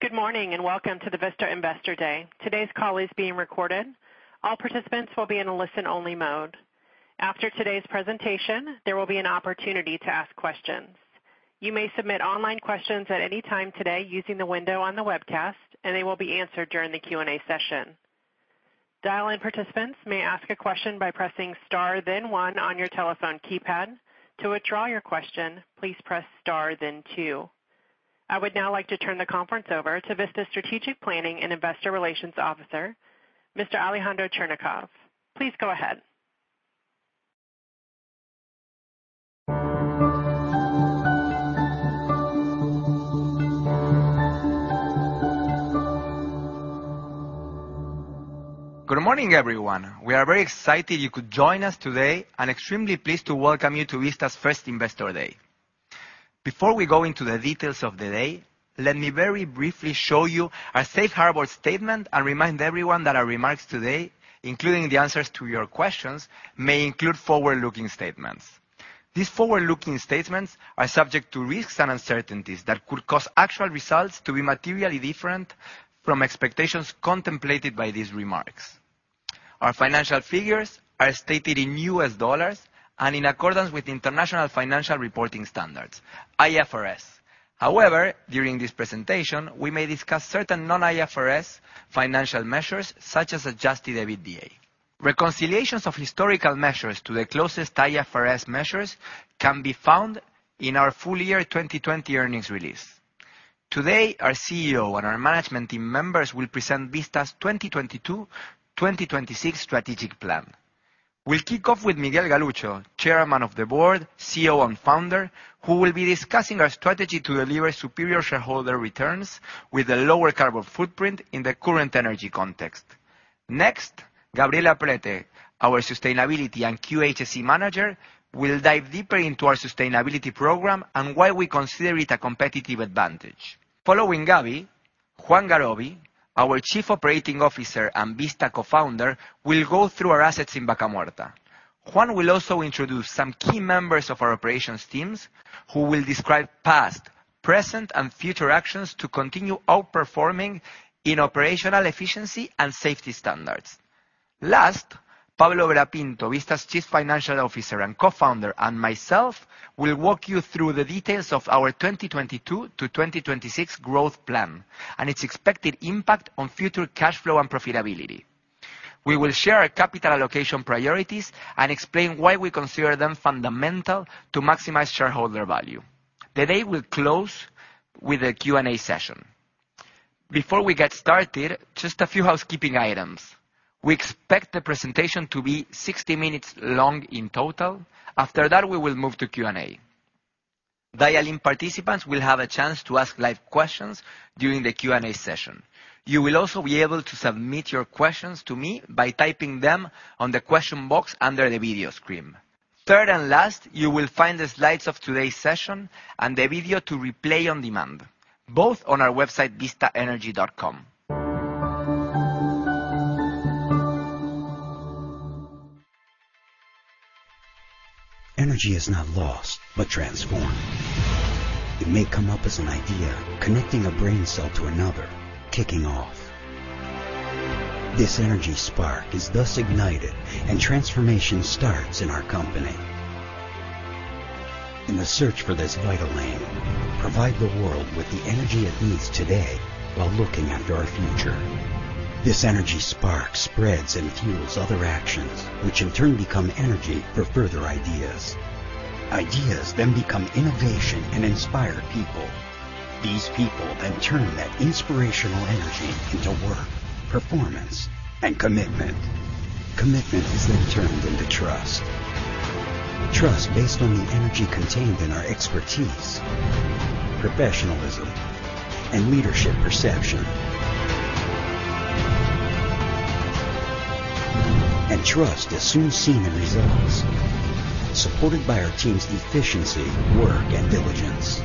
Good morning, and welcome to the Vista Investor Day. Today's call is being recorded. All participants will be in a listen-only mode. After today's presentation, there will be an opportunity to ask questions. You may submit online questions at any time today using the window on the webcast, and they will be answered during the Q&A session. Dial-in participants may ask a question by pressing star then one on your telephone keypad. To withdraw your question, please press star then two. I would now like to turn the conference over to Vista Strategic Planning and Investor Relations Officer, Mr. Alejandro Cherñacov. Please go ahead. Good morning, everyone. We are very excited you could join us today and extremely pleased to welcome you to Vista's first Investor Day. Before we go into the details of the day, let me very briefly show you our safe harbor statement and remind everyone that our remarks today, including the answers to your questions, may include forward-looking statements. These forward-looking statements are subject to risks and uncertainties that could cause actual results to be materially different from expectations contemplated by these remarks. Our financial figures are stated in U.S. dollars and in accordance with International Financial Reporting Standards, IFRS. However, during this presentation, we may discuss certain non-IFRS financial measures, such as adjusted EBITDA. Reconciliations of historical measures to the closest IFRS measures can be found in our full year 2020 earnings release. Today, our CEO and our management team members will present Vista's 2022/2026 strategic plan. We'll kick off with Miguel Galuccio, Chairman of the Board, CEO, and Founder, who will be discussing our strategy to deliver superior shareholder returns with a lower carbon footprint in the current energy context. Next, Gabriela Prete, our Sustainability and QHSE Manager, will dive deeper into our sustainability program and why we consider it a competitive advantage. Following Gabi, Juan Garoby, our Chief Operating Officer and Vista co-founder, will go through our assets in Vaca Muerta. Juan will also introduce some key members of our operations teams, who will describe past, present, and future actions to continue outperforming in operational efficiency and safety standards. Last, Pablo Vera Pinto, Vista's Chief Financial Officer and Co-Founder, and myself will walk you through the details of our 2022 to 2026 growth plan and its expected impact on future cash flow and profitability. We will share our capital allocation priorities and explain why we consider them fundamental to maximize shareholder value. The day will close with a Q&A session. Before we get started, just a few housekeeping items. We expect the presentation to be 60 minutes long in total. After that, we will move to Q&A. Dial-in participants will have a chance to ask live questions during the Q&A session. You will also be able to submit your questions to me by typing them on the question box under the video screen. Third and last, you will find the slides of today's session and the video to replay on demand, both on our website, vistaenergy.com. Energy is not lost, but transformed. It may come up as an idea, connecting a brain cell to another, kicking off. This energy spark is thus ignited and transformation starts in our company. In the search for this vital link, provide the world with the energy it needs today while looking after our future. This energy spark spreads and fuels other actions, which in turn become energy for further ideas. Ideas then become innovation and inspire people. These people then turn that inspirational energy into work, performance, and commitment. Commitment is then turned into trust, trust based on the energy contained in our expertise, professionalism, and leadership perception. Trust is soon seen in results, supported by our team's efficiency, work, and diligence.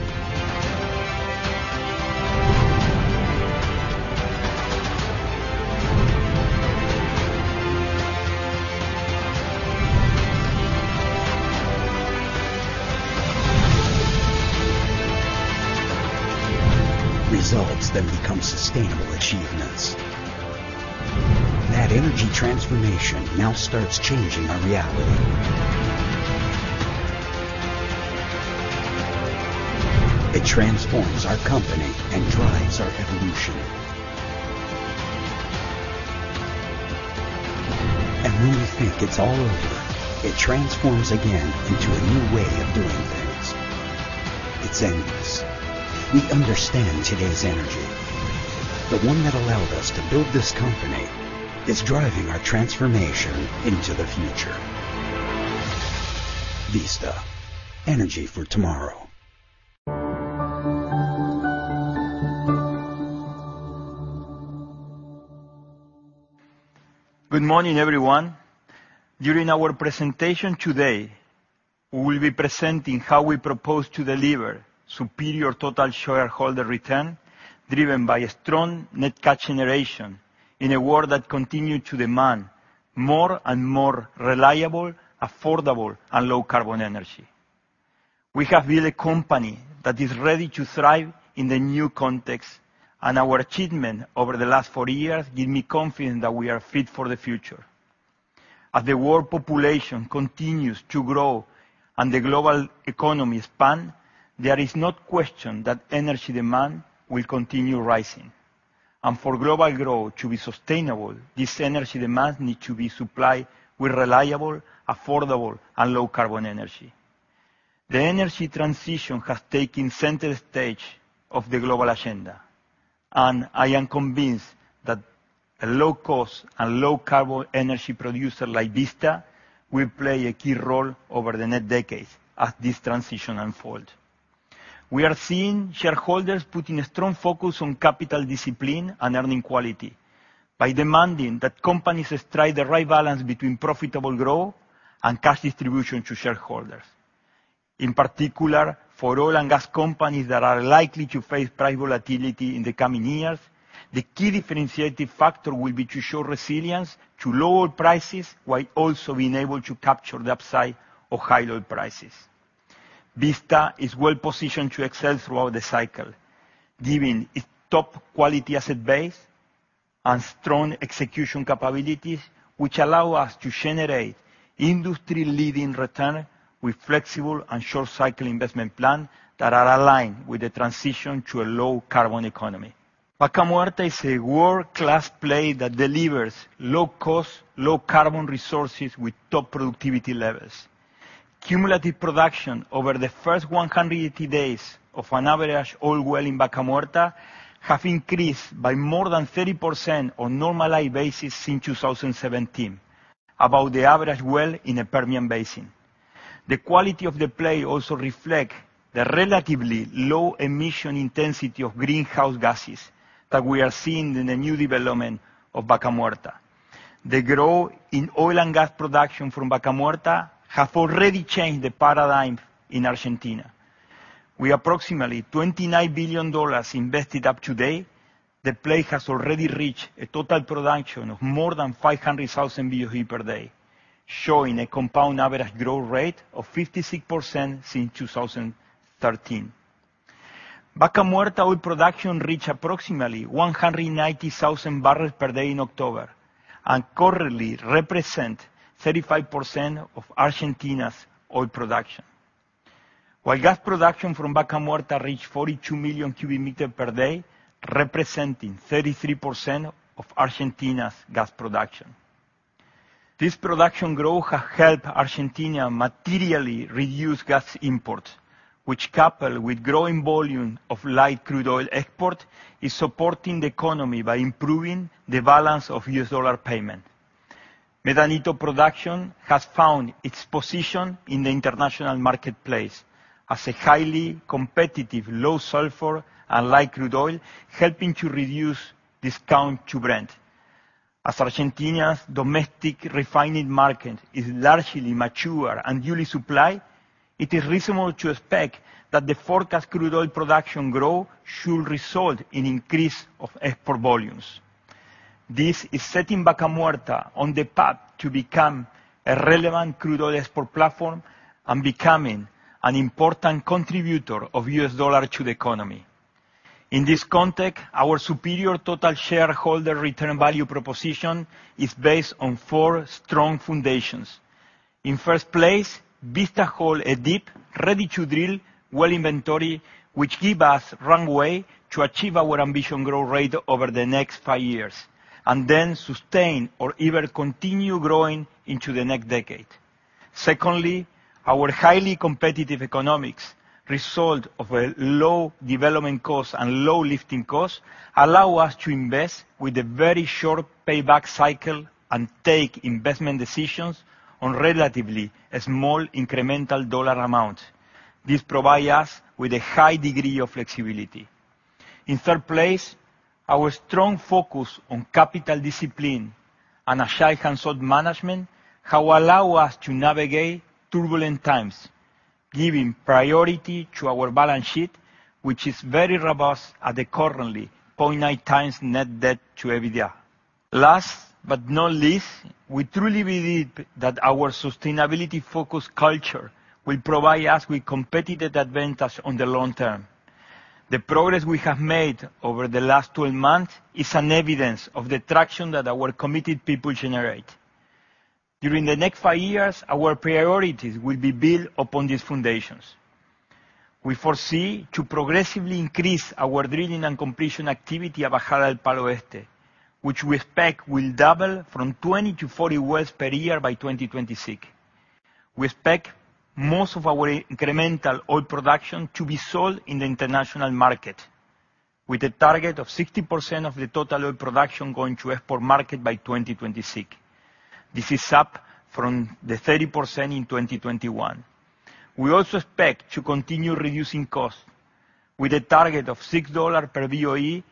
Results then become sustainable achievements. That energy transformation now starts changing our reality. It transforms our company and drives our evolution. When you think it's all over, it transforms again into a new way of doing things. It's endless. We understand today's energy. The one that allowed us to build this company is driving our transformation into the future. Vista, energy for tomorrow. Good morning, everyone. During our presentation today, we will be presenting how we propose to deliver superior total shareholder return driven by a strong net cash generation in a world that continue to demand more and more reliable, affordable, and low carbon energy. We have built a company that is ready to thrive in the new context, and our achievement over the last four years give me confidence that we are fit for the future. As the world population continues to grow and the global economy expand, there is no question that energy demand will continue rising. For global growth to be sustainable, this energy demand need to be supplied with reliable, affordable, and low carbon energy. The energy transition has taken center stage of the global agenda, and I am convinced that a low cost and low carbon energy producer like Vista will play a key role over the next decade as this transition unfolds. We are seeing shareholders putting a strong focus on capital discipline and earning quality by demanding that companies strike the right balance between profitable growth and cash distribution to shareholders. In particular, for oil and gas companies that are likely to face price volatility in the coming years, the key differentiating factor will be to show resilience to lower prices, while also being able to capture the upside of higher oil prices. Vista is well-positioned to excel throughout the cycle, given its top quality asset base and strong execution capabilities, which allow us to generate industry-leading return with flexible and short cycle investment plan that are aligned with the transition to a low carbon economy. Vaca Muerta is a world-class play that delivers low cost, low carbon resources with top productivity levels. Cumulative production over the first 180 days of an average oil well in Vaca Muerta have increased by more than 30% on normalized basis since 2017, about the average well in a Permian Basin. The quality of the play also reflect the relatively low emission intensity of greenhouse gases that we are seeing in the new development of Vaca Muerta. The growth in oil and gas production from Vaca Muerta have already changed the paradigm in Argentina. With approximately $29 billion invested up to date, the play has already reached a total production of more than 500,000 BOE per day, showing a compound average growth rate of 56% since 2013. Vaca Muerta oil production reached approximately 190,000 barrels per day in October and currently represent 35% of Argentina's oil production. While gas production from Vaca Muerta reached 42 million cubic meters per day, representing 33% of Argentina's gas production. This production growth has helped Argentina materially reduce gas imports, which coupled with growing volume of light crude oil export, is supporting the economy by improving the balance of payments. Medanito production has found its position in the international marketplace as a highly competitive, low-sulfur and light crude oil, helping to reduce discount to Brent. As Argentina's domestic refining market is largely mature and duly supplied, it is reasonable to expect that the forecast crude oil production growth should result in increase of export volumes. This is setting Vaca Muerta on the path to become a relevant crude oil export platform and becoming an important contributor of U.S. dollars to the economy. In this context, our superior total shareholder return value proposition is based on four strong foundations. In first place, Vista holds a deep, ready-to-drill well inventory, which gives us runway to achieve our ambitious growth rate over the next five years, and then sustain or even continue growing into the next decade. Secondly, our highly competitive economics are the result of a low development cost and low lifting cost, which allows us to invest with a very short payback cycle and take investment decisions on a relatively small incremental dollar amount. This provides us with a high degree of flexibility. In third place, our strong focus on capital discipline and a sharp cost management have allowed us to navigate turbulent times, giving priority to our balance sheet, which is very robust at the current point, 0.9x net debt to EBITDA. Last but not least, we truly believe that our sustainability-focused culture will provide us with competitive advantage in the long term. The progress we have made over the last 12 months is an evidence of the traction that our committed people generate. During the next five years, our priorities will be built upon these foundations. We foresee to progressively increase our drilling and completion activity at Bajada del Palo Este, which we expect will double from 20-40 wells per year by 2026. We expect most of our incremental oil production to be sold in the international market, with a target of 60% of the total oil production going to export market by 2026. This is up from the 30% in 2021. We also expect to continue reducing costs with a target of $6 per BOE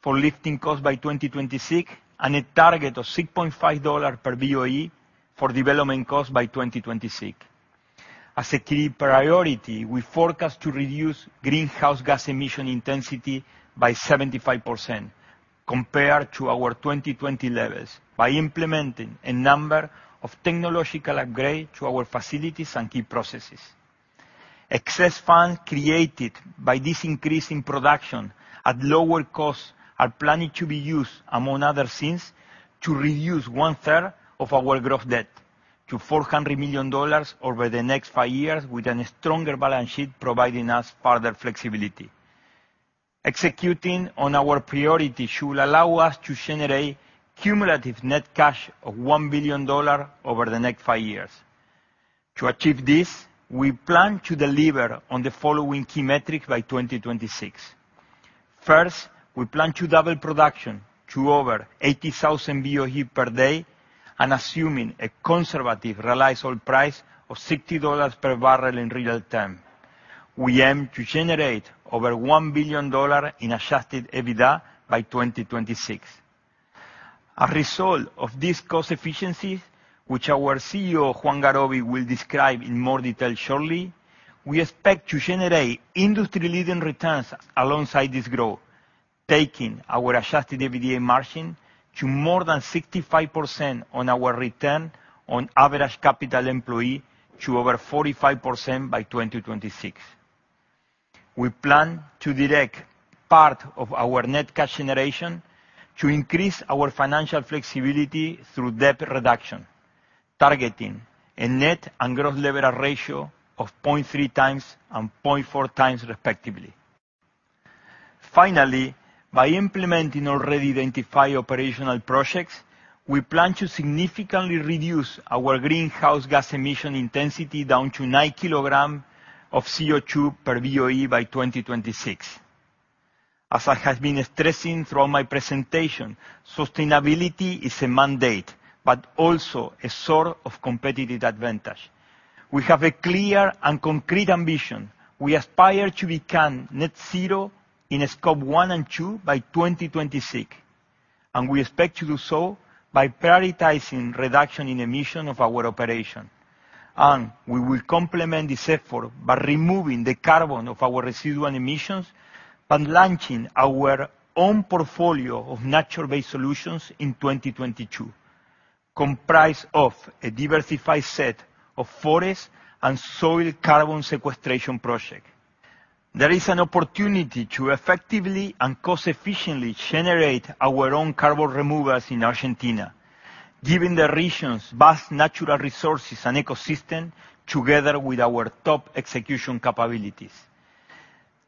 for lifting cost by 2026, and a target of $6.5 per BOE for development costs by 2026. As a key priority, we forecast to reduce greenhouse gas emission intensity by 75% compared to our 2020 levels by implementing a number of technological upgrades to our facilities and key processes. Excess funds created by this increase in production at lower costs are planned to be used, among other things, to reduce 1/3 of our gross debt to $400 million over the next five years with a stronger balance sheet providing us further flexibility. Executing on our priorities should allow us to generate cumulative net cash of $1 billion over the next five years. To achieve this, we plan to deliver on the following key metrics by 2026. First, we plan to double production to over 80,000 BOE per day, and assuming a conservative realized oil price of $60 per barrel in real terms. We aim to generate over $1 billion in adjusted EBITDA by 2026. As a result of these cost efficiencies, which our COO, Juan Garoby, will describe in more detail shortly, we expect to generate industry-leading returns alongside this growth, taking our adjusted EBITDA margin to more than 65% and our return on average capital employed to over 45% by 2026. We plan to direct part of our net cash generation to increase our financial flexibility through debt reduction, targeting a net and gross leverage ratio of 0.3x and 0.4x, respectively. Finally, by implementing already identified operational projects, we plan to significantly reduce our greenhouse gas emission intensity down to 9 kg of CO2 per BOE by 2026. As I have been stressing through my presentation, sustainability is a mandate, but also a sort of competitive advantage. We have a clear and concrete ambition. We aspire to become net zero in Scope 1 and 2 by 2026, and we expect to do so by prioritizing reduction in emission of our operation. We will complement this effort by removing the carbon of our residual emissions and launching our own portfolio of nature-based solutions in 2022, comprised of a diversified set of forest and soil carbon sequestration project. There is an opportunity to effectively and cost efficiently generate our own carbon removers in Argentina, given the region's vast natural resources and ecosystem together with our top execution capabilities.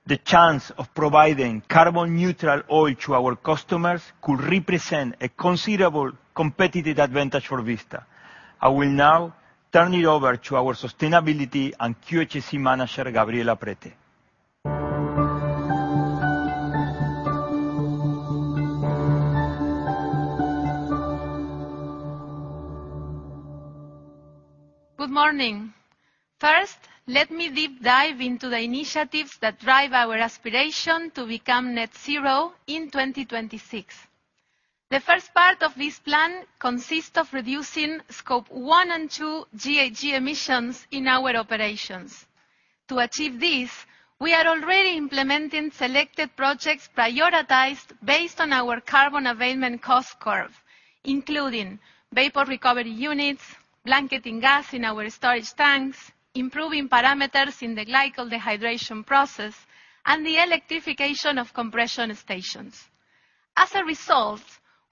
The chance of providing carbon neutral oil to our customers could represent a considerable competitive advantage for Vista. I will now turn it over to our sustainability and QHSE manager, Gabriela Prete. Good morning. First, let me deep dive into the initiatives that drive our aspiration to become net zero in 2026. The first part of this plan consists of reducing Scope 1 and 2 GHG emissions in our operations. To achieve this, we are already implementing selected projects prioritized based on our carbon abatement cost curve, including vapor recovery units, blanketing gas in our storage tanks, improving parameters in the glycol dehydration process, and the electrification of compression stations. As a result,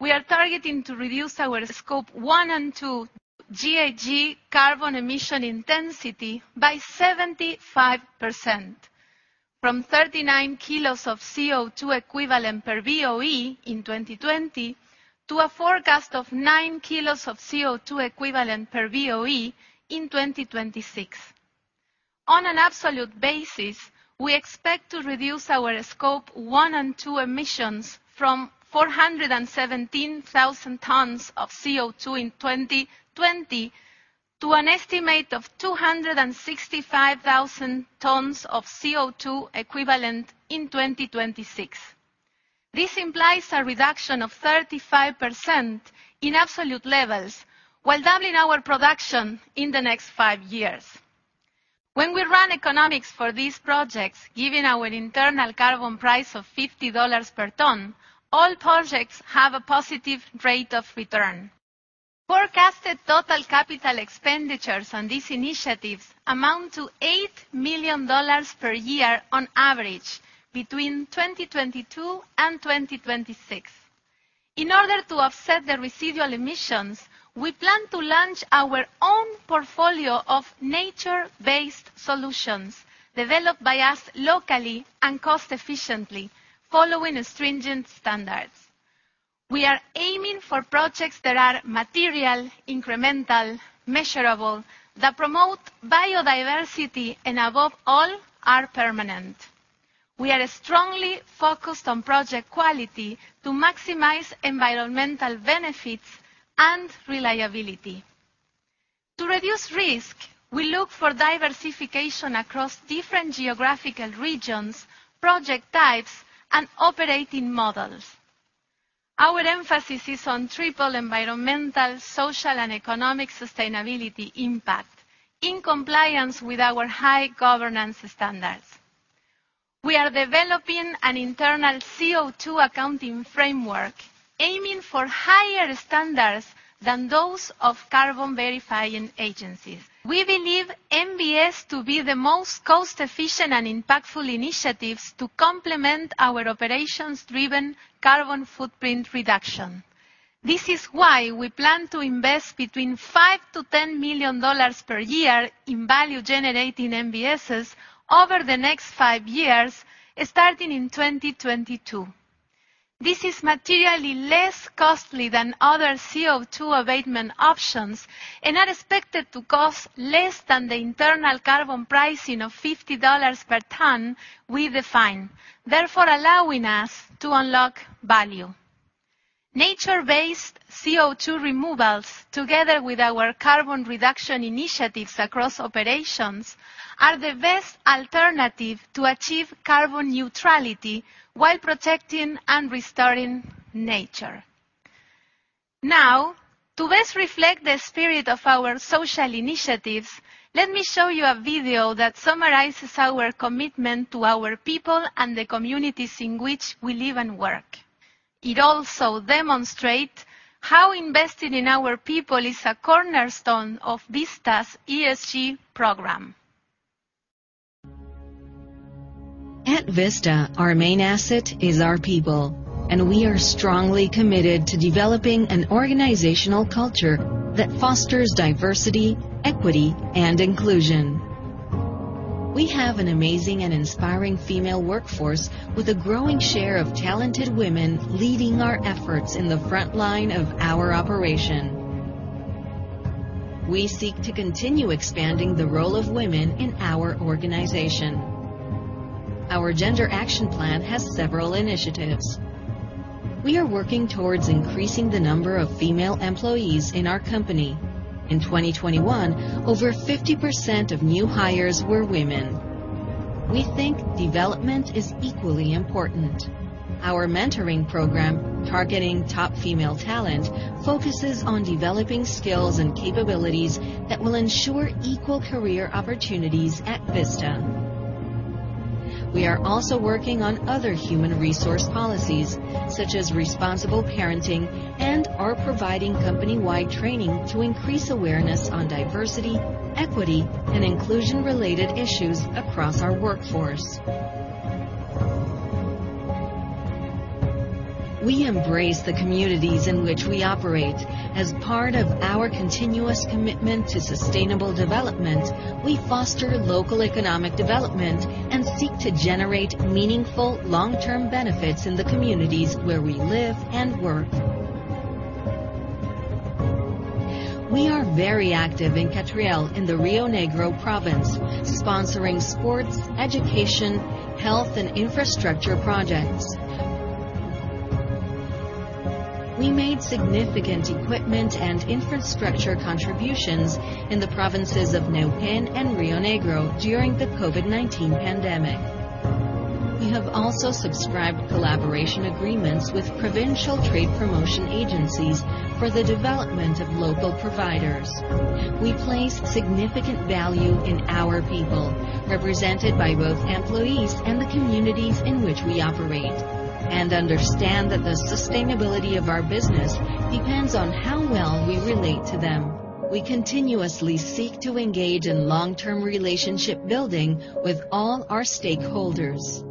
we are targeting to reduce our Scope 1 and 2 GHG carbon emission intensity by 75% from 39 kg of CO2 equivalent per BOE in 2020 to a forecast of 9 kg of CO2 equivalent per BOE in 2026. On an absolute basis, we expect to reduce our Scope 1 and 2 emissions from 417,000 tons of CO2 in 2020 to an estimate of 265,000 tons of CO2 equivalent in 2026. This implies a reduction of 35% in absolute levels while doubling our production in the next five years. When we run economics for these projects, giving our internal carbon price of $50 per ton, all projects have a positive rate of return. Forecasted total capital expenditures on these initiatives amount to $8 million per year on average between 2022 and 2026. In order to offset the residual emissions, we plan to launch our own portfolio of nature-based solutions developed by us locally and cost efficiently following stringent standards. We are aiming for projects that are material, incremental, measurable, that promote biodiversity, and above all, are permanent. We are strongly focused on project quality to maximize environmental benefits and reliability. To reduce risk, we look for diversification across different geographical regions, project types, and operating models. Our emphasis is on triple environmental, social, and economic sustainability impact. In compliance with our high governance standards. We are developing an internal CO2 accounting framework, aiming for higher standards than those of carbon verifying agencies. We believe NBS to be the most cost-efficient and impactful initiatives to complement our operations-driven carbon footprint reduction. This is why we plan to invest between $5-$10 million per year in value-generating NBSs over the next five years, starting in 2022. This is materially less costly than other CO2 abatement options, and are expected to cost less than the internal carbon pricing of $50 per ton we define, therefore allowing us to unlock value. Nature-based CO2 removals, together with our carbon reduction initiatives across operations, are the best alternative to achieve carbon neutrality while protecting and restoring nature. Now, to best reflect the spirit of our social initiatives, let me show you a video that summarizes our commitment to our people and the communities in which we live and work. It also demonstrate how investing in our people is a cornerstone of Vista's ESG program. At Vista, our main asset is our people, and we are strongly committed to developing an organizational culture that fosters diversity, equity, and inclusion. We have an amazing and inspiring female workforce with a growing share of talented women leading our efforts in the front line of our operation. We seek to continue expanding the role of women in our organization. Our gender action plan has several initiatives. We are working towards increasing the number of female employees in our company. In 2021, over 50% of new hires were women. We think development is equally important. Our mentoring program, targeting top female talent, focuses on developing skills and capabilities that will ensure equal career opportunities at Vista. We are also working on other human resource policies, such as responsible parenting, and are providing company-wide training to increase awareness on diversity, equity, and inclusion-related issues across our workforce. We embrace the communities in which we operate. As part of our continuous commitment to sustainable development, we foster local economic development and seek to generate meaningful long-term benefits in the communities where we live and work. We are very active in Catriel in the Río Negro province, sponsoring sports, education, health, and infrastructure projects. We made significant equipment and infrastructure contributions in the provinces of Neuquén and Río Negro during the COVID-19 pandemic. We have also subscribed collaboration agreements with provincial trade promotion agencies for the development of local providers. We place significant value in our people, represented by both employees and the communities in which we operate, and understand that the sustainability of our business depends on how well we relate to them. We continuously seek to engage in long-term relationship building with all our stakeholders.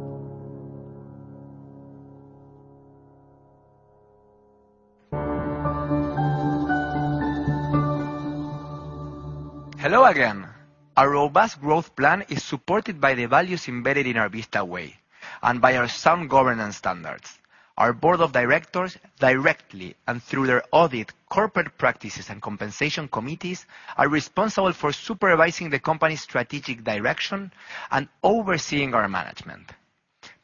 Hello again. Our robust growth plan is supported by the values embedded in our Vista way and by our sound governance standards. Our board of directors, directly and through their audit, corporate practices and compensation committees, are responsible for supervising the company's strategic direction and overseeing our management.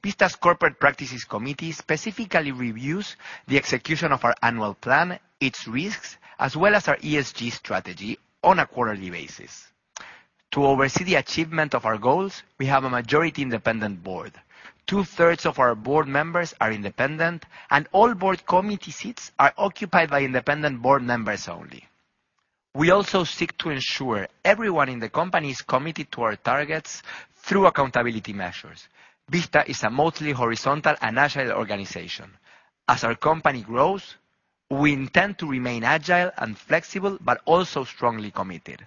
Vista's corporate practices committee specifically reviews the execution of our annual plan, its risks, as well as our ESG strategy on a quarterly basis. To oversee the achievement of our goals, we have a majority independent board. Two-thirds of our board members are independent, and all board committee seats are occupied by independent board members only. We also seek to ensure everyone in the company is committed to our targets through accountability measures. Vista is a mostly horizontal and agile organization. As our company grows, we intend to remain agile and flexible, but also strongly committed.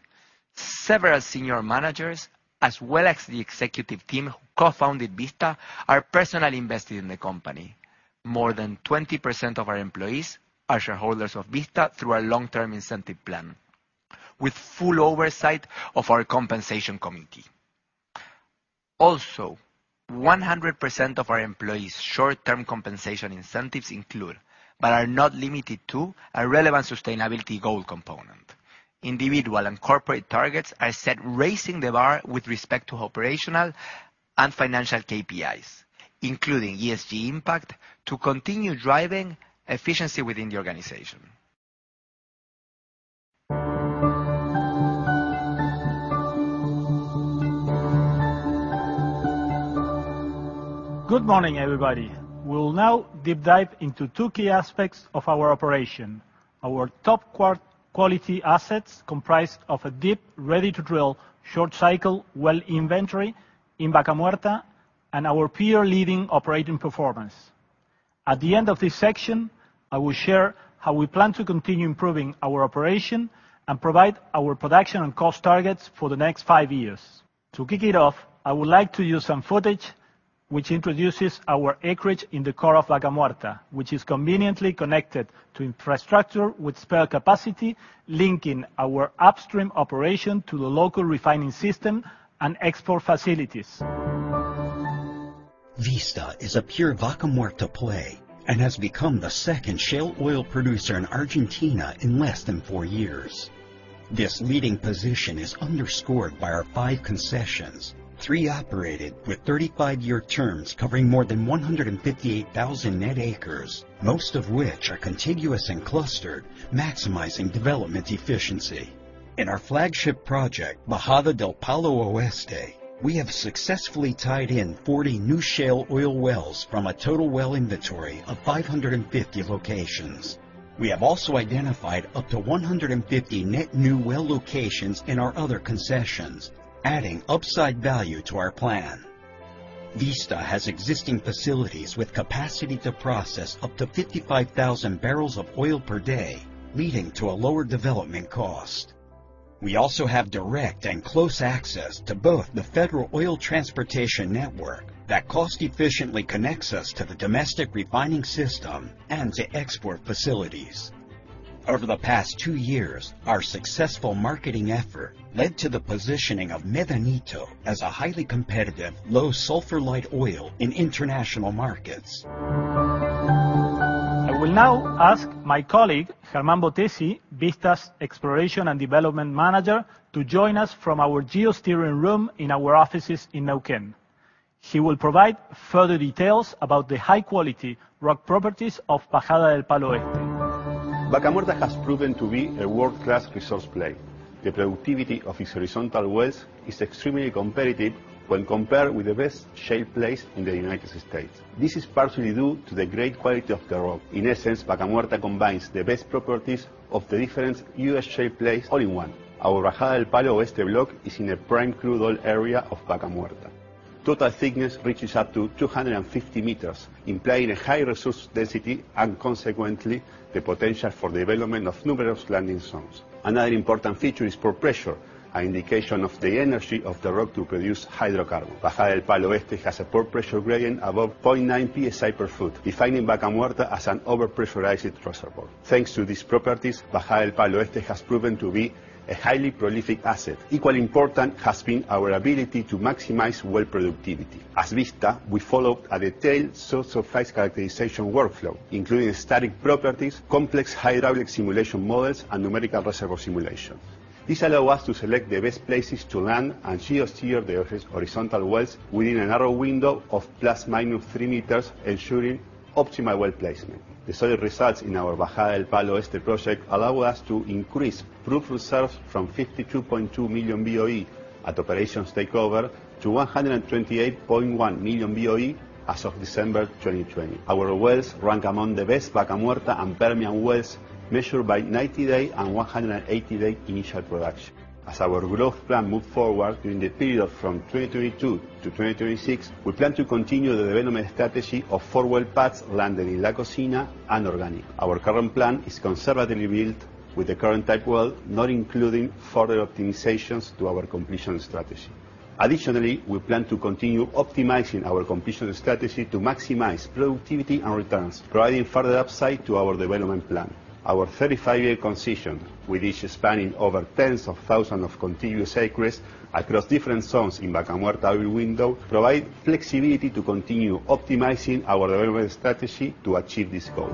Several senior managers, as well as the executive team who co-founded Vista, are personally invested in the company. More than 20% of our employees are shareholders of Vista through our long-term incentive plan with full oversight of our compensation committee. Also, 100% of our employees' short-term compensation incentives include, but are not limited to, a relevant sustainability goal component. Individual and corporate targets are set raising the bar with respect to operational and financial KPIs, including ESG impact, to continue driving efficiency within the organization. Good morning, everybody. We'll now deep dive into two key aspects of our operation. Our top quartile-quality assets comprised of a deep, ready-to-drill, short-cycle well inventory in Vaca Muerta and our peer-leading operating performance. At the end of this section, I will share how we plan to continue improving our operation and provide our production and cost targets for the next five years. To kick it off, I would like to use some footage which introduces our acreage in the core of Vaca Muerta, which is conveniently connected to infrastructure with spare capacity, linking our upstream operation to the local refining system and export facilities. Vista is a pure Vaca Muerta play and has become the second shale oil producer in Argentina in less than four years. This leading position is underscored by our five concessions, three operated with 35-year terms covering more than 158,000 net acres, most of which are contiguous and clustered, maximizing development efficiency. In our flagship project, Bajada del Palo Oeste, we have successfully tied in 40 new shale oil wells from a total well inventory of 550 locations. We have also identified up to 150 net new well locations in our other concessions, adding upside value to our plan. Vista has existing facilities with capacity to process up to 55,000 barrels of oil per day, leading to a lower development cost. We also have direct and close access to both the federal oil transportation network that cost-efficiently connects us to the domestic refining system and to export facilities. Over the past two years, our successful marketing effort led to the positioning of Medanito as a highly competitive, low-sulfur light oil in international markets. I will now ask my colleague, [Germán Botezy], Vista's Exploration and Development Manager, to join us from our geosteering room in our offices in Neuquén. He will provide further details about the high-quality rock properties of Bajada del Palo Oeste. Vaca Muerta has proven to be a world-class resource play. The productivity of its horizontal wells is extremely competitive when compared with the best shale plays in the United States. This is partially due to the great quality of the rock. In essence, Vaca Muerta combines the best properties of the different U.S. shale plays all in one. Our Bajada del Palo Oeste block is in a prime crude oil area of Vaca Muerta. Total thickness reaches up to 250 m, implying a high resource density and consequently, the potential for development of numerous landing zones. Another important feature is pore pressure, an indication of the energy of the rock to produce hydrocarbon. Bajada del Palo Oeste has a pore pressure gradient above 0.9 PSI per foot, defining Vaca Muerta as an over-pressurized reservoir. Thanks to these properties, Bajada del Palo Oeste has proven to be a highly prolific asset. Equally important has been our ability to maximize well productivity. As Vista, we followed a detailed subsurface phase characterization workflow, including static properties, complex hydraulic simulation models, and numerical reservoir simulation. This allow us to select the best places to land and geosteer the organic horizontal wells within a narrow window of ±3 meters, ensuring optimal well placement. The solid results in our Bajada del Palo Oeste project allow us to increase proven reserves from 52.2 million BOE at operations takeover to 128.1 million BOE as of December 2020. Our wells rank among the best Vaca Muerta and Permian wells measured by 90-day and 180-day initial production. As our growth plan moves forward during the period from 2022 to 2026, we plan to continue the development strategy of four well pads landed in La Cocina and Orgánico. Our current plan is conservatively built with the current type well, not including further optimizations to our completion strategy. Additionally, we plan to continue optimizing our completion strategy to maximize productivity and returns, providing further upside to our development plan. Our 35-year concessions, with each spanning over tens of thousands of continuous acres across different zones in Vaca Muerta oil window, provide flexibility to continue optimizing our development strategy to achieve this goal.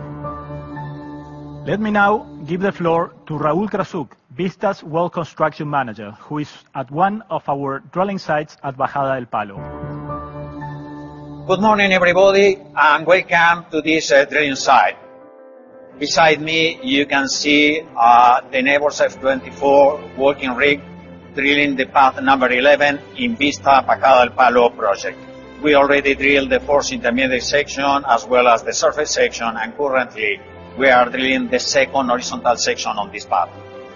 Let me now give the floor to Raul Krasuk, Vista's Well Construction Manager, who is at one of our drilling sites at Bajada del Palo. Good morning, everybody, and welcome to this drilling site. Beside me, you can see the Nabors PACE F24 working rig drilling the path number 11 in Vista Bajada del Palo project. We already drilled the first intermediate section as well as the surface section, and currently, we are drilling the second horizontal section of this path.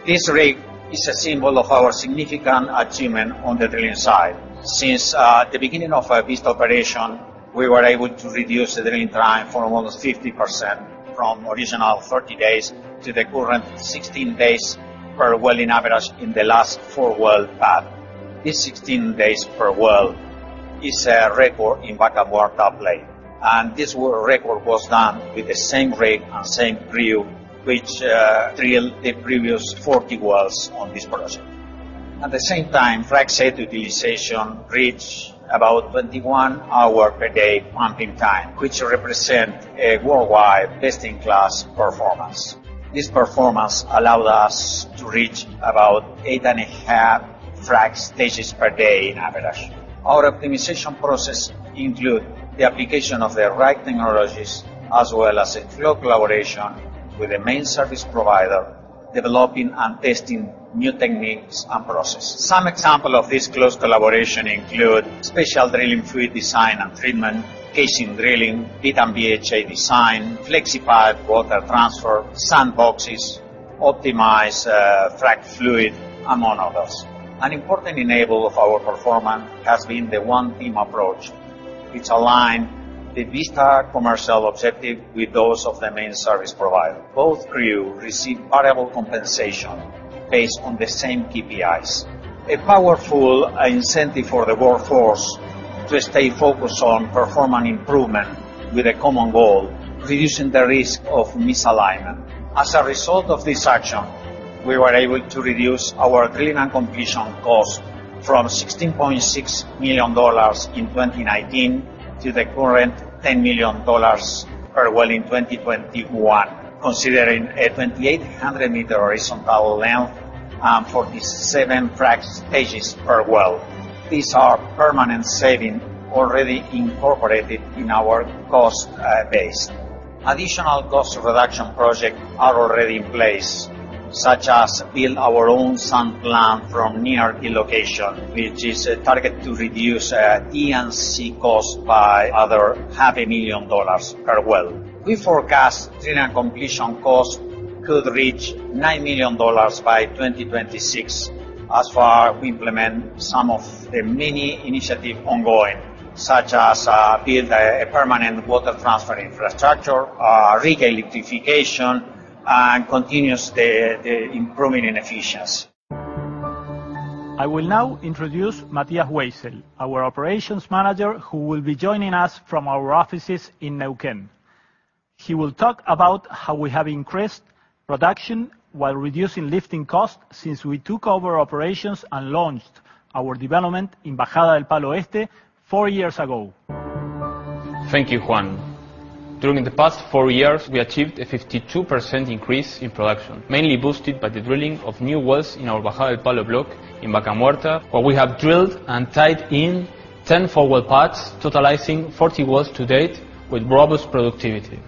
This rig is a symbol of our significant achievement on the drilling site. Since the beginning of Vista operation, we were able to reduce the drilling time for almost 50% from original 30 days to the current 16 days per well on average in the last four well path. This 16 days per well is a record in Vaca Muerta play. This world record was done with the same rig and same crew which drilled the previous 40 wells on this project. At the same time, frac set utilization reached about 21 hours per day pumping time, which represents a worldwide best-in-class performance. This performance allowed us to reach about 8.5 frac stages per day on average. Our optimization process includes the application of the right technologies as well as a close collaboration with the main service provider. Developing and testing new techniques and process. Some example of this close collaboration include special drilling fluid design and treatment, casing drilling, bit and BHA design, Flexipipe water transfer, sand boxes, optimize, frac fluid, among others. An important enabler of our performance has been the one team approach which align the Vista commercial objective with those of the main service provider. Both crew receive variable compensation based on the same KPIs. A powerful incentive for the workforce to stay focused on performance improvement with a common goal, reducing the risk of misalignment. As a result of this action, we were able to reduce our drilling and completion cost from $16.6 million in 2019 to the current $10 million per well in 2021, considering a 2,800 m horizontal length and 47 frac stages per well. These are permanent savings already incorporated in our cost base. Additional cost reduction projects are already in place, such as building our own sand plant from near the location, which is targeted to reduce D&C costs by another $500,00 per well. We forecast drilling and completion costs could reach $9 million by 2026 as far as we implement some of the many initiatives ongoing, such as building a permanent water transfer infrastructure, rig electrification, and continuing the improvement in efficiency. I will now introduce Matias Weissel, our operations manager, who will be joining us from our offices in Neuquén. He will talk about how we have increased production while reducing lifting costs since we took over operations and launched our development in Bajada del Palo Este four years ago. Thank you, Juan. During the past four years, we achieved a 52% increase in production, mainly boosted by the drilling of new wells in our Bajada del Palo block in Vaca Muerta, where we have drilled and tied in 10 four-well pads, totalizing 40 wells to date with robust productivity.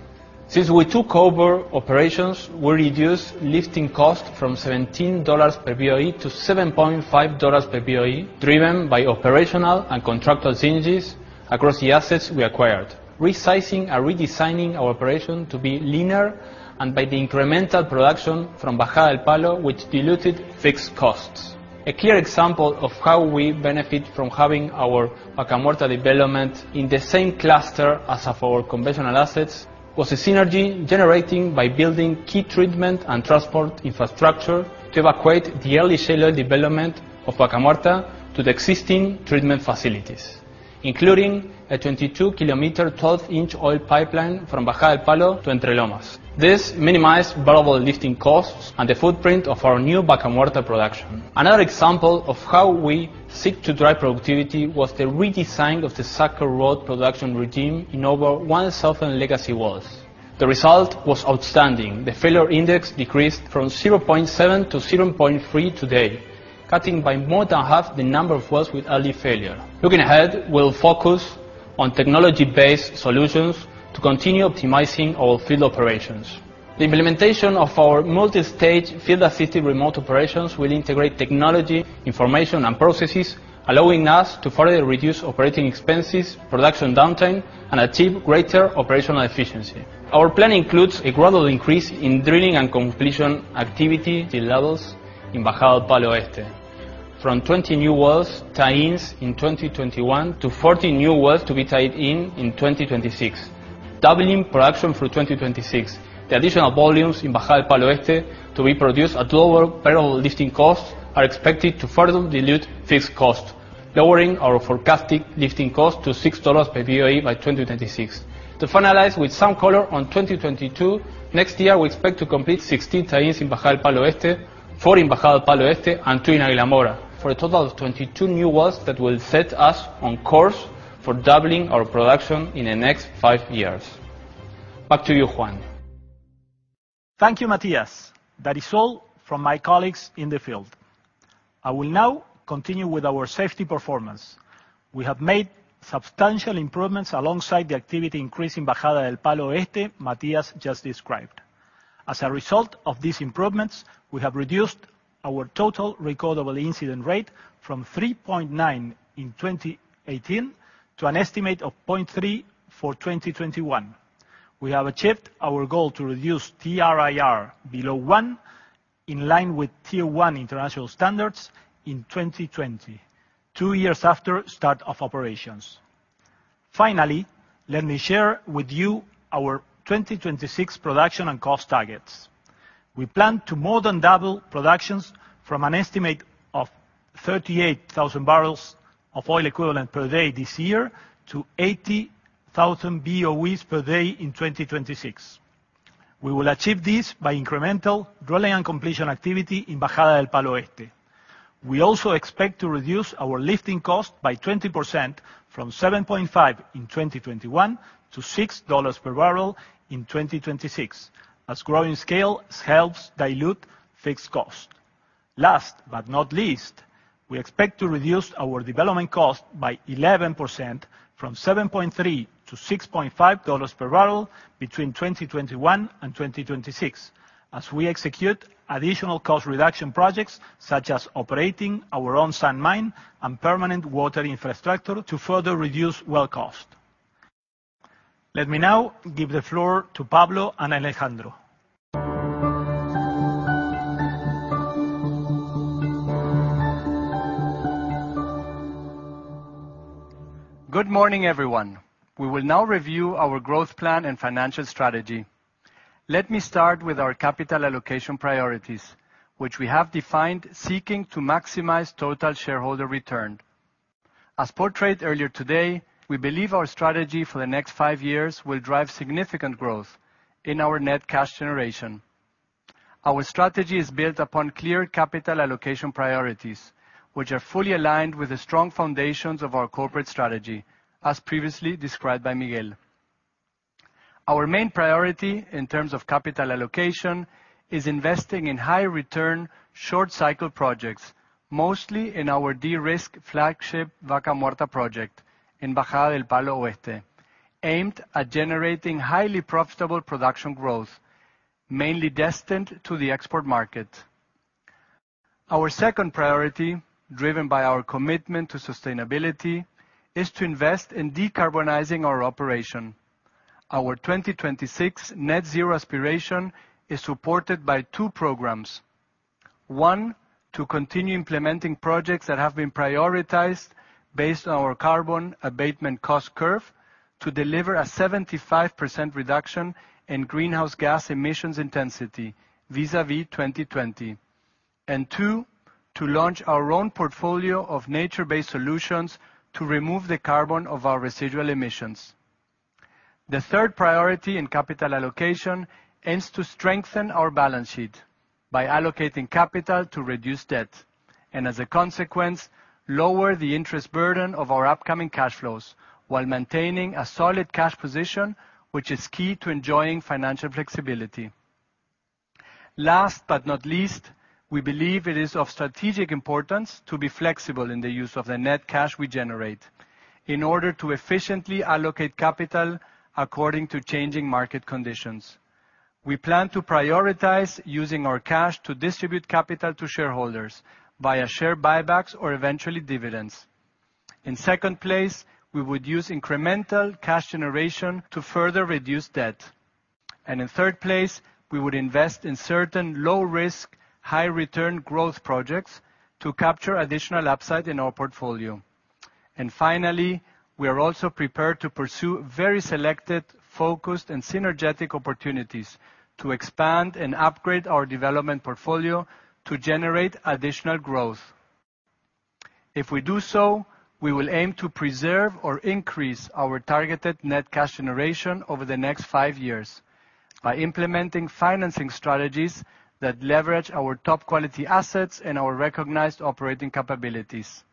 Since we took over operations, we reduced lifting costs from $17 per BOE to $7.5 per BOE, driven by operational and contractual synergies across the assets we acquired, resizing and redesigning our operation to be leaner and by the incremental production from Bajada del Palo, which diluted fixed costs. A clear example of how we benefit from having our Vaca Muerta development in the same cluster as our conventional assets was a synergy generated by building key treatment and transport infrastructure to evacuate the early shale oil development of Vaca Muerta to the existing treatment facilities, including a 22 km 12-inch oil pipeline from Bajada del Palo to Entre Lomas. This minimized variable lifting costs and the footprint of our new Vaca Muerta production. Another example of how we seek to drive productivity was the redesign of the sucker rod production regime in over 1,000 legacy wells. The result was outstanding. The failure index decreased from 0.7-0.3 today, cutting by more than half the number of wells with early failure. Looking ahead, we'll focus on technology-based solutions to continue optimizing our field operations. The implementation of our multi-stage field assisted remote operations will integrate technology, information, and processes, allowing us to further reduce operating expenses, production downtime, and achieve greater operational efficiency. Our plan includes a gradual increase in drilling and completion activity levels in Bajada del Palo Este from 20 new wells tie-ins in 2021 to 40 new wells to be tied in in 2026, doubling production through 2026. The additional volumes in Bajada del Palo Este to be produced at lower variable lifting costs are expected to further dilute fixed costs, lowering our forecasted lifting cost to $6 per BOE by 2026. To finalize with some color on 2022, next year we expect to complete 16 tie-ins in Bajada del Palo Este, 4 in Bajada del Palo Este, and two in Águila Mora, for a total of 22 new wells that will set us on course for doubling our production in the next five years. Back to you, Juan. Thank you, Matías. That is all from my colleagues in the field. I will now continue with our safety performance. We have made substantial improvements alongside the activity increase in Bajada del Palo Este Matías just described. As a result of these improvements, we have reduced our total recordable incident rate from 3.9 in 2018 to an estimate of 0.3 for 2021. We have achieved our goal to reduce TRIR below 1 in line with tier 1 international standards in 2020, two years after start of operations. Finally, let me share with you our 2026 production and cost targets. We plan to more than double productions from an estimate of 38,000 barrels of oil equivalent per day this year to 80,000 BOEs per day in 2026. We will achieve this by incremental drilling and completion activity in Bajada del Palo Este. We also expect to reduce our lifting cost by 20% from 7.5 in 2021 to $6 per barrel in 2026, as growing scale helps dilute fixed cost. Last but not least, we expect to reduce our development cost by 11% from $7.3-$6.5 per barrel between 2021 and 2026 as we execute additional cost reduction projects, such as operating our own sand mine and permanent water infrastructure to further reduce well cost. Let me now give the floor to Pablo and Alejandro. Good morning, everyone. We will now review our growth plan and financial strategy. Let me start with our capital allocation priorities, which we have defined seeking to maximize total shareholder return. As portrayed earlier today, we believe our strategy for the next five years will drive significant growth in our net cash generation. Our strategy is built upon clear capital allocation priorities, which are fully aligned with the strong foundations of our corporate strategy, as previously described by Miguel. Our main priority in terms of capital allocation is investing in high return, short cycle projects, mostly in our de-risk flagship Vaca Muerta project in Bajada del Palo Oeste, aimed at generating highly profitable production growth, mainly destined to the export market. Our second priority, driven by our commitment to sustainability, is to invest in decarbonizing our operation. Our 2026 net zero aspiration is supported by two programs. One, to continue implementing projects that have been prioritized based on our carbon abatement cost curve to deliver a 75% reduction in greenhouse gas emissions intensity vis-a-vis 2020. Two, to launch our own portfolio of nature-based solutions to remove the carbon of our residual emissions. The third priority in capital allocation aims to strengthen our balance sheet by allocating capital to reduce debt, and as a consequence, lower the interest burden of our upcoming cash flows while maintaining a solid cash position, which is key to enjoying financial flexibility. Last but not least, we believe it is of strategic importance to be flexible in the use of the net cash we generate in order to efficiently allocate capital according to changing market conditions. We plan to prioritize using our cash to distribute capital to shareholders via share buybacks or eventually dividends. In second place, we would use incremental cash generation to further reduce debt. In third place, we would invest in certain low risk, high return growth projects to capture additional upside in our portfolio. Finally, we are also prepared to pursue very selected, focused, and synergetic opportunities to expand and upgrade our development portfolio to generate additional growth. If we do so, we will aim to preserve or increase our targeted net cash generation over the next five years by implementing financing strategies that leverage our top quality assets and our recognized operating capabilities.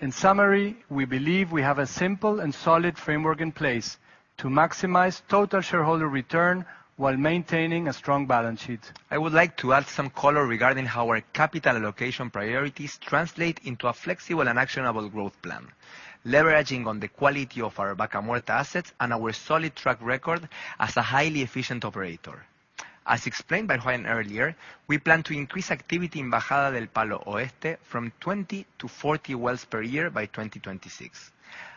In summary, we believe we have a simple and solid framework in place to maximize total shareholder return while maintaining a strong balance sheet. I would like to add some color regarding how our capital allocation priorities translate into a flexible and actionable growth plan, leveraging on the quality of our Vaca Muerta assets and our solid track record as a highly efficient operator. As explained by Juan earlier, we plan to increase activity in Bajada del Palo Oeste from 20-40 wells per year by 2026.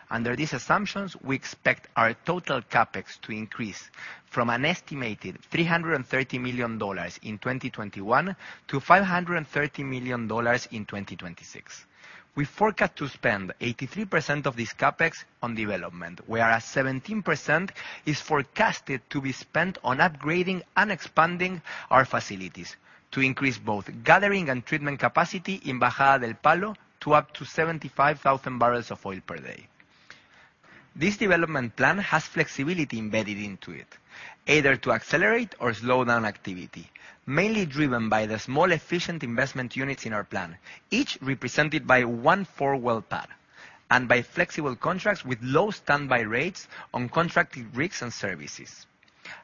Under these assumptions, we expect our total CapEx to increase from an estimated $330 million in 2021 to $530 million in 2026. We forecast to spend 83% of this CapEx on development, whereas 17% is forecasted to be spent on upgrading and expanding our facilities to increase both gathering and treatment capacity in Bajada del Palo to up to 75,000 barrels of oil per day. This development plan has flexibility embedded into it, either to accelerate or slow down activity, mainly driven by the small efficient investment units in our plan, each represented by one four-well pad, and by flexible contracts with low standby rates on contracted rigs and services.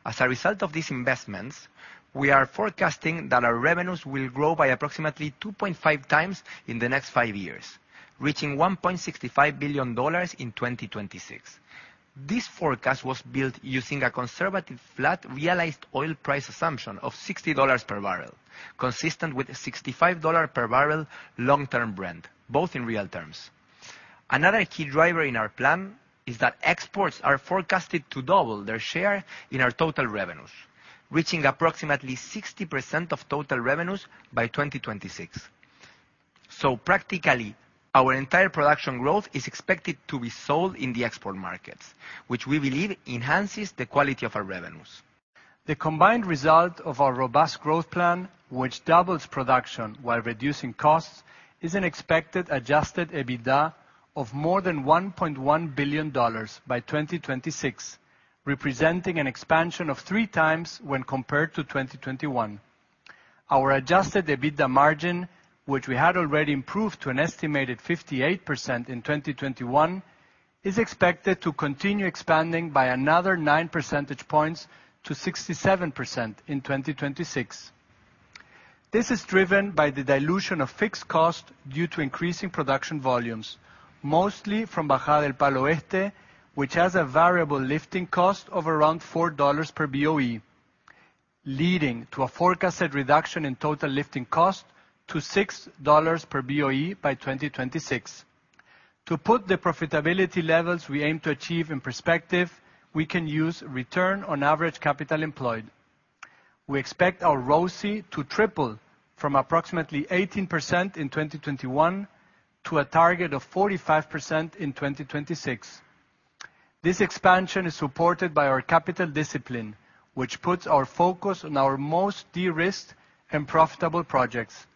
As a result of these investments, we are forecasting that our revenues will grow by approximately 2.5x in the next five years, reaching $1.65 billion in 2026. This forecast was built using a conservative flat realized oil price assumption of $60 per barrel, consistent with $65 per barrel long-term Brent, both in real terms. Another key driver in our plan is that exports are forecasted to double their share in our total revenues, reaching approximately 60% of total revenues by 2026. Practically, our entire production growth is expected to be sold in the export markets, which we believe enhances the quality of our revenues. The combined result of our robust growth plan, which doubles production while reducing costs, is an expected adjusted EBITDA of more than $1.1 billion by 2026, representing an expansion of 3x when compared to 2021. Our adjusted EBITDA margin, which we had already improved to an estimated 58% in 2021, is expected to continue expanding by another 9 percentage points to 67% in 2026. This is driven by the dilution of fixed cost due to increasing production volumes, mostly from Bajada del Palo Este, which has a variable lifting cost of around $4 per BOE, leading to a forecasted reduction in total lifting cost to $6 per BOE by 2026. To put the profitability levels we aim to achieve in perspective, we can use return on average capital employed. We expect our ROCE to triple from approximately 18% in 2021 to a target of 45% in 2026. This expansion is supported by our capital discipline, which puts our focus on our most de-risked and profitable projects.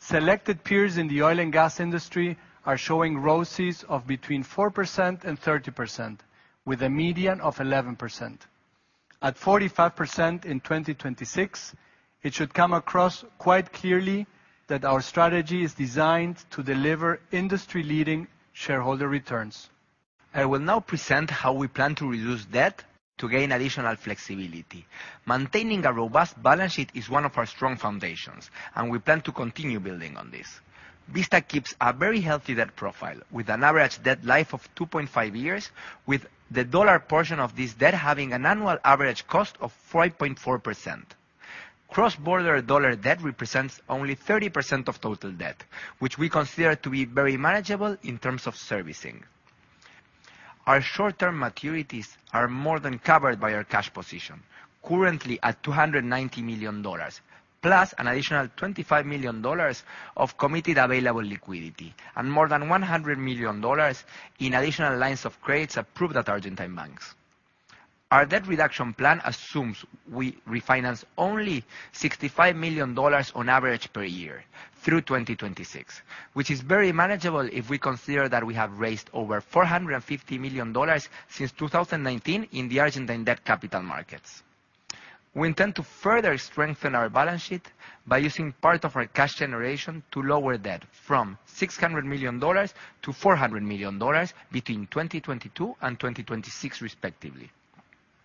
Selected peers in the oil and gas industry are showing ROCEs of between 4% and 30% with a median of 11%. At 45% in 2026, it should come across quite clearly that our strategy is designed to deliver industry-leading shareholder returns. I will now present how we plan to reduce debt to gain additional flexibility. Maintaining a robust balance sheet is one of our strong foundations, and we plan to continue building on this. Vista keeps a very healthy debt profile with an average debt life of 2.5 years, with the dollar portion of this debt having an annual average cost of 5.4%. Cross-border dollar debt represents only 30% of total debt, which we consider to be very manageable in terms of servicing. Our short-term maturities are more than covered by our cash position, currently at $290 million, plus an additional $25 million of committed available liquidity and more than $100 million in additional lines of credit approved at Argentine banks. Our debt reduction plan assumes we refinance only $65 million on average per year through 2026, which is very manageable if we consider that we have raised over $450 million since 2019 in the Argentine debt capital markets. We intend to further strengthen our balance sheet by using part of our cash generation to lower debt from $600 million-$400 million between 2022 and 2026, respectively.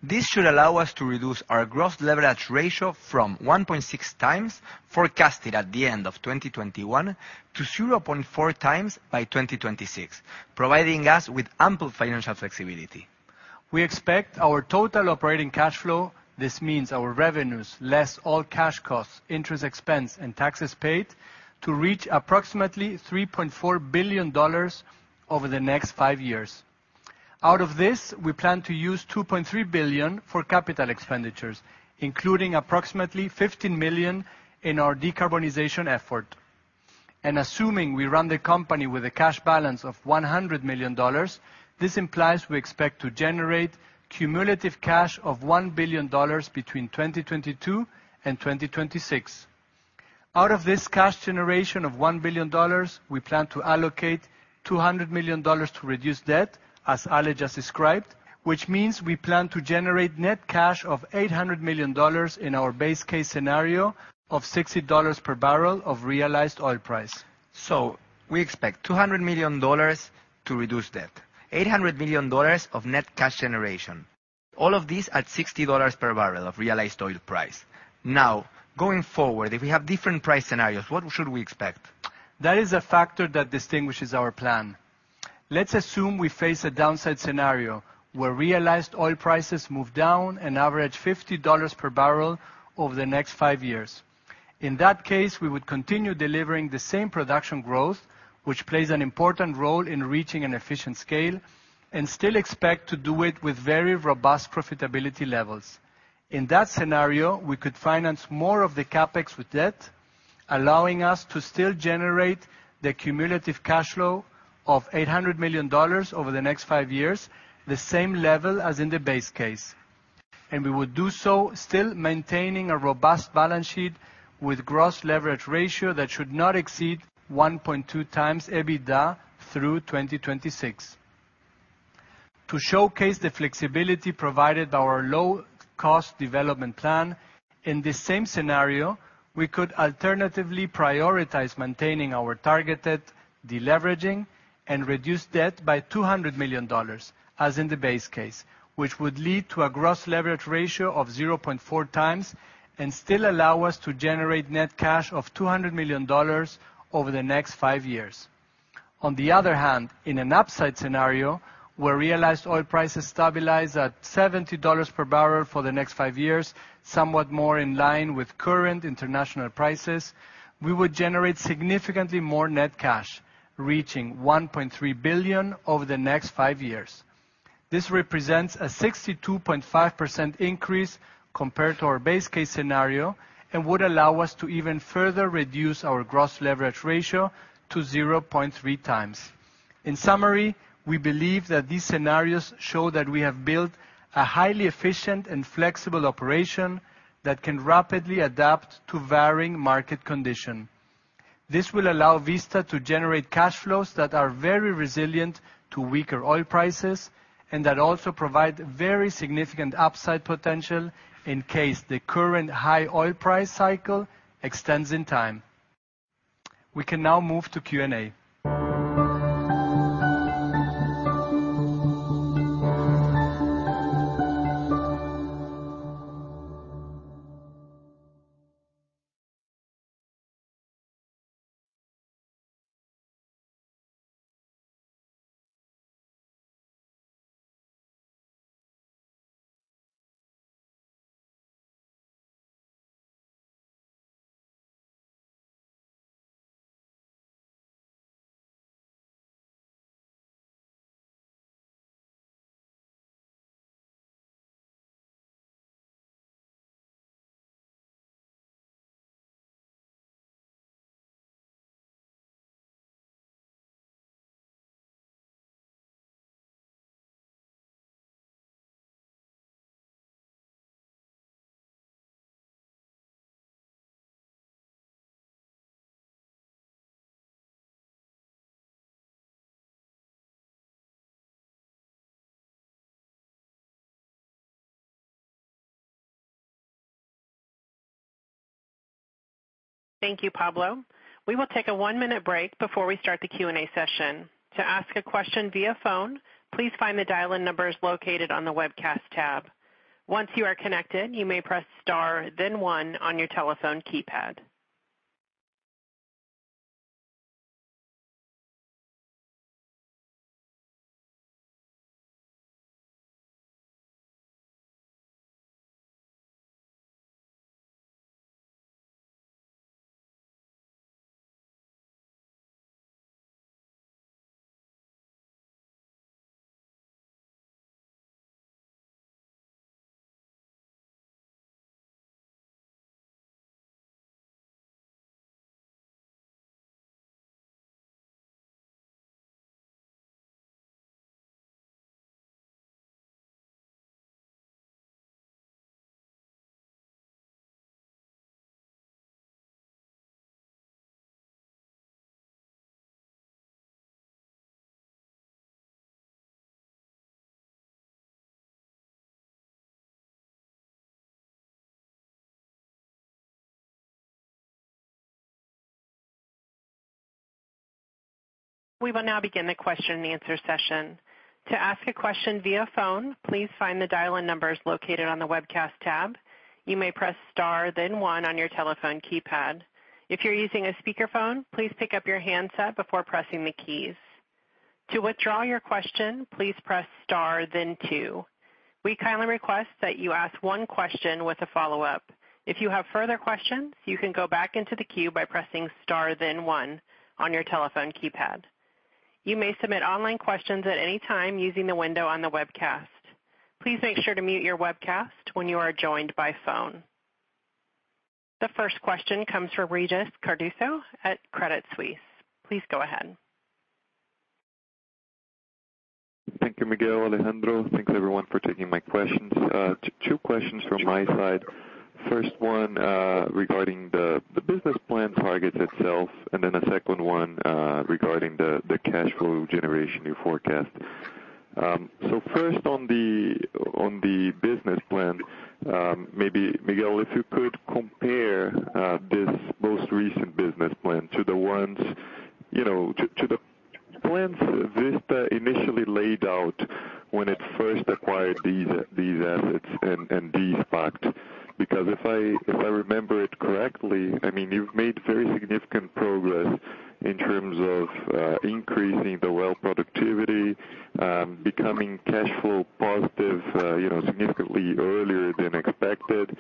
This should allow us to reduce our gross leverage ratio from 1.6x forecasted at the end of 2021 to 0.4x by 2026, providing us with ample financial flexibility. We expect our total operating cash flow, this means our revenues less all cash costs, interest expense, and taxes paid, to reach approximately $3.4 billion over the next five years. Out of this, we plan to use $2.3 billion for capital expenditures, including approximately $15 million in our decarbonization effort. Assuming we run the company with a cash balance of $100 million, this implies we expect to generate cumulative cash of $1 billion between 2022 and 2026. Out of this cash generation of $1 billion, we plan to allocate $200 million to reduce debt, as Ale just described, which means we plan to generate net cash of $800 million in our base case scenario of $60 per barrel of realized oil price. We expect $200 million to reduce debt, $800 million of net cash generation, all of this at $60 per barrel of realized oil price. Now, going forward, if we have different price scenarios, what should we expect? That is a factor that distinguishes our plan. Let's assume we face a downside scenario where realized oil prices move down an average $50 per barrel over the next five years, in that case, we would continue delivering the same production growth, which plays an important role in reaching an efficient scale and still expect to do it with very robust profitability levels. In that scenario, we could finance more of the CapEx with debt, allowing us to still generate the cumulative cash flow of $800 million over the next five years, the same level as in the base case. We would do so still maintaining a robust balance sheet with gross leverage ratio that should not exceed 1.2x EBITDA through 2026. To showcase the flexibility provided our low cost development plan, in the same scenario, we could alternatively prioritize maintaining our targeted deleveraging and reduce debt by $200 million as in the base case, which would lead to a gross leverage ratio of 0.4x and still allow us to generate net cash of $200 million over the next five years. On the other hand, in an upside scenario, where realized oil prices stabilize at $70 per barrel for the next five years, somewhat more in line with current international prices, we would generate significantly more net cash, reaching $1.3 billion over the next five years. This represents a 62.5% increase compared to our base case scenario and would allow us to even further reduce our gross leverage ratio to 0.3x. In summary, we believe that these scenarios show that we have built a highly efficient and flexible operation that can rapidly adapt to varying market conditions. This will allow Vista to generate cash flows that are very resilient to weaker oil prices, and that also provide very significant upside potential in case the current high oil price cycle extends in time. We can now move to Q&A. Thank you, Pablo. We will take a one-minute break before we start the Q&A session. To ask a question via phone, please find the dial-in numbers located on the webcast tab. Once you are connected, you may press star then one on your telephone keypad. We will now begin the question-and-answer session. To ask a question via phone, please find the dial-in numbers located on the webcast tab. You may press star then one on your telephone keypad. If you're using a speakerphone, please pick up your handset before pressing the keys. To withdraw your question, please press star then two. We kindly request that you ask one question with a follow-up. If you have further questions, you can go back into the queue by pressing star then one on your telephone keypad. You may submit online questions at any time using the window on the webcast. Please make sure to mute your webcast when you are joined by phone. The first question comes from Regis Cardoso at Credit Suisse. Please go ahead. Thank you, Miguel, Alejandro. Thanks, everyone, for taking my questions. Two questions from my side. First one, regarding the business plan targets itself, and then the second one, regarding the cash flow generation you forecast. So first on the business plan, maybe, Miguel, if you could compare this most recent business plan to the ones, you know, to the plans Vista initially laid out when it first acquired these assets and this SPAC. Because if I remember it correctly, I mean, you've made very significant progress in terms of increasing the well productivity, becoming cash flow positive, you know, significantly earlier than expected.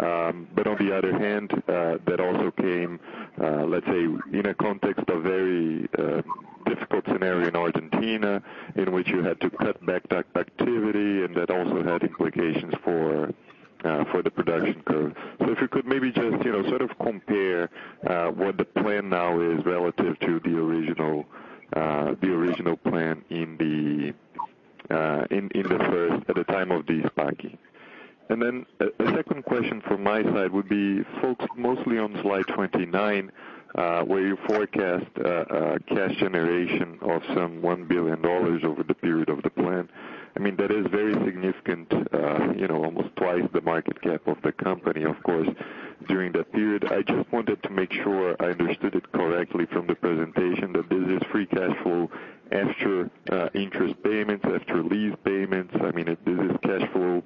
On the other hand, that also came, let's say, in a context of very difficult scenario in Argentina, in which you had to cut back the activity, and that also had implications for the production curve. If you could maybe just, you know, sort of compare what the plan now is relative to the original, the original plan in the first at the time of de-SPACing. Then a second question from my side would be focused mostly on slide 29, where you forecast cash generation of some $1 billion over the period of the plan. I mean, that is very significant, you know, almost twice the market cap of the company, of course, during that period. I just wanted to make sure I understood it correctly from the presentation, that this is free cash flow after interest payments, after lease payments. I mean, this is cash flow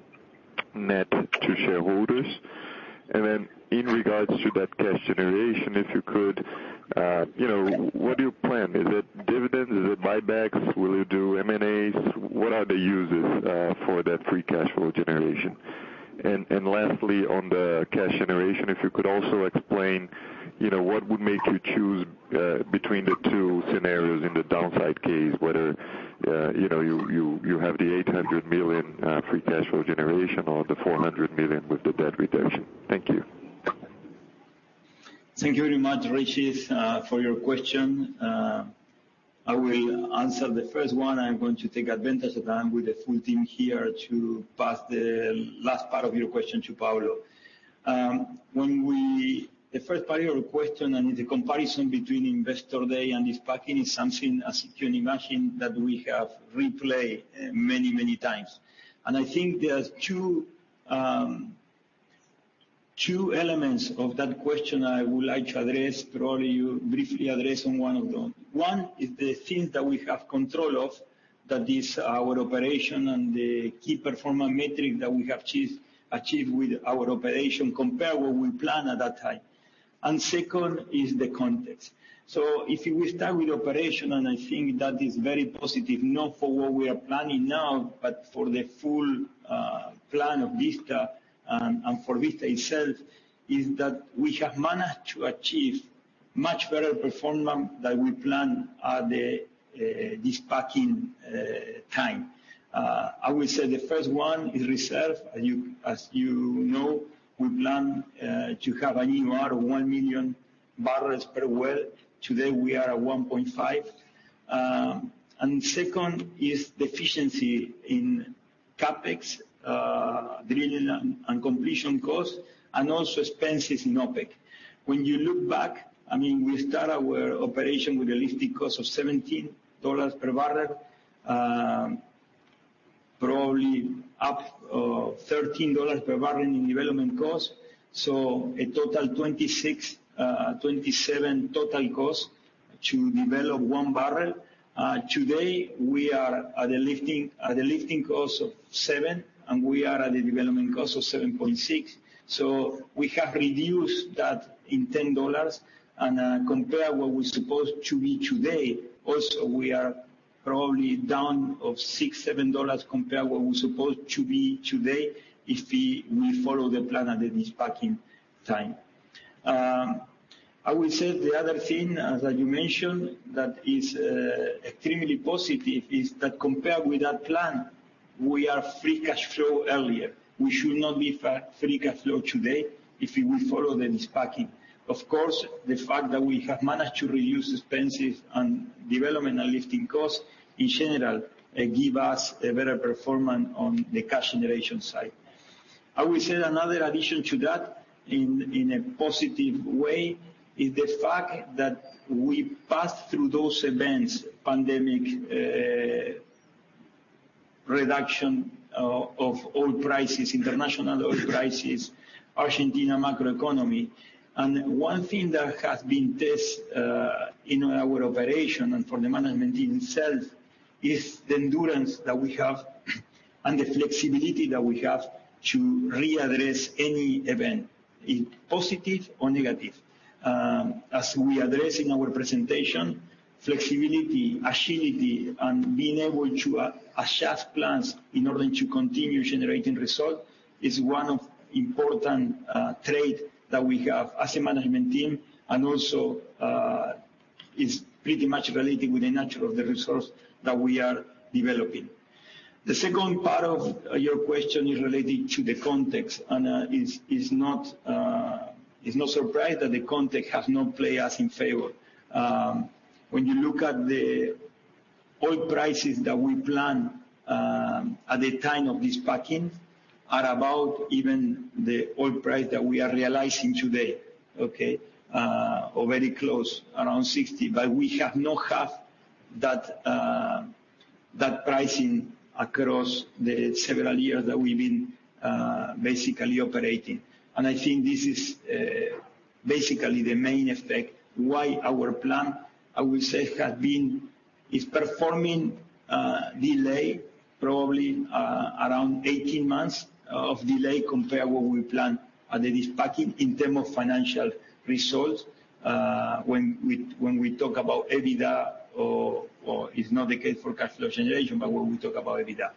net to shareholders. In regards to that cash generation, if you could, you know, what do you plan? Is it dividends? Is it buybacks? Will you do M&As? What are the uses for that free cash flow generation? Lastly, on the cash generation, if you could also explain, you know, what would make you choose between the two scenarios in the downside case, whether you have the $800 million free cash flow generation or the $400 million with the debt reduction. Thank you. Thank you very much, Regis, for your question. I will answer the first one. I'm going to take advantage that I'm with the full team here to pass the last part of your question to Pablo. When we, the first part of your question and the comparison between Investor Day and this de-SPACing is something, as you can imagine, that we have replayed many times. I think there's two elements of that question I would like to address, probably you briefly address on one of them. One is the things that we have control of, that is our operation and the key performance metric that we have achieved with our operation compared what we planned at that time. Second is the context. If we start with operation, I think that is very positive, not for what we are planning now, but for the full plan of Vista and for Vista itself, is that we have managed to achieve much better performance than we planned at the this SPAC-ing time. I will say the first one is reserves. As you know, we plan to have an EUR of 1 million barrels per well. Today, we are at 1.5. Second is the efficiency in CapEx, drilling and completion costs, and also expenses in OpEx. When you look back, I mean, we start our operation with a lifting cost of $17 per barrel, probably up $13 per barrel in development cost. A total $26-$27 total cost to develop one barrel. Today, we are at a lifting cost of $7, and we are at a development cost of $7.6. We have reduced that by $10. Compared to what we're supposed to be today, we are also probably down by $6-$7 compared to what we're supposed to be today if we follow the plan at the de-SPACing time. I will say the other thing, as you mentioned, that is extremely positive, is that compared with that plan, we are free cash flow earlier. We should not be free cash flow today if we follow the de-SPACing. Of course, the fact that we have managed to reduce expenses and development and lifting costs, in general, give us a better performance on the cash generation side. I will say another addition to that in a positive way is the fact that we passed through those events, pandemic, reduction of oil prices, international oil prices, Argentina macroeconomy. One thing that has been tested in our operation and for the management team itself is the endurance that we have and the flexibility that we have to readdress any event, in positive or negative. As we address in our presentation, flexibility, agility, and being able to adjust plans in order to continue generating results is one of important trait that we have as a management team, and also is pretty much related with the nature of the resource that we are developing. The second part of your question is related to the context, and it's no surprise that the context has not played us in favor. When you look at the oil prices that we planned at the time of this SPACing are about even the oil price that we are realizing today, okay? Or very close, around $60. We have not had that pricing across the several years that we've been basically operating. I think this is basically the main effect why our plan, I will say, has been is performing delay, probably around 18 months of delay compared what we planned at the de-SPACing in term of financial results when we talk about EBITDA or it's not the case for cash flow generation, but when we talk about EBITDA.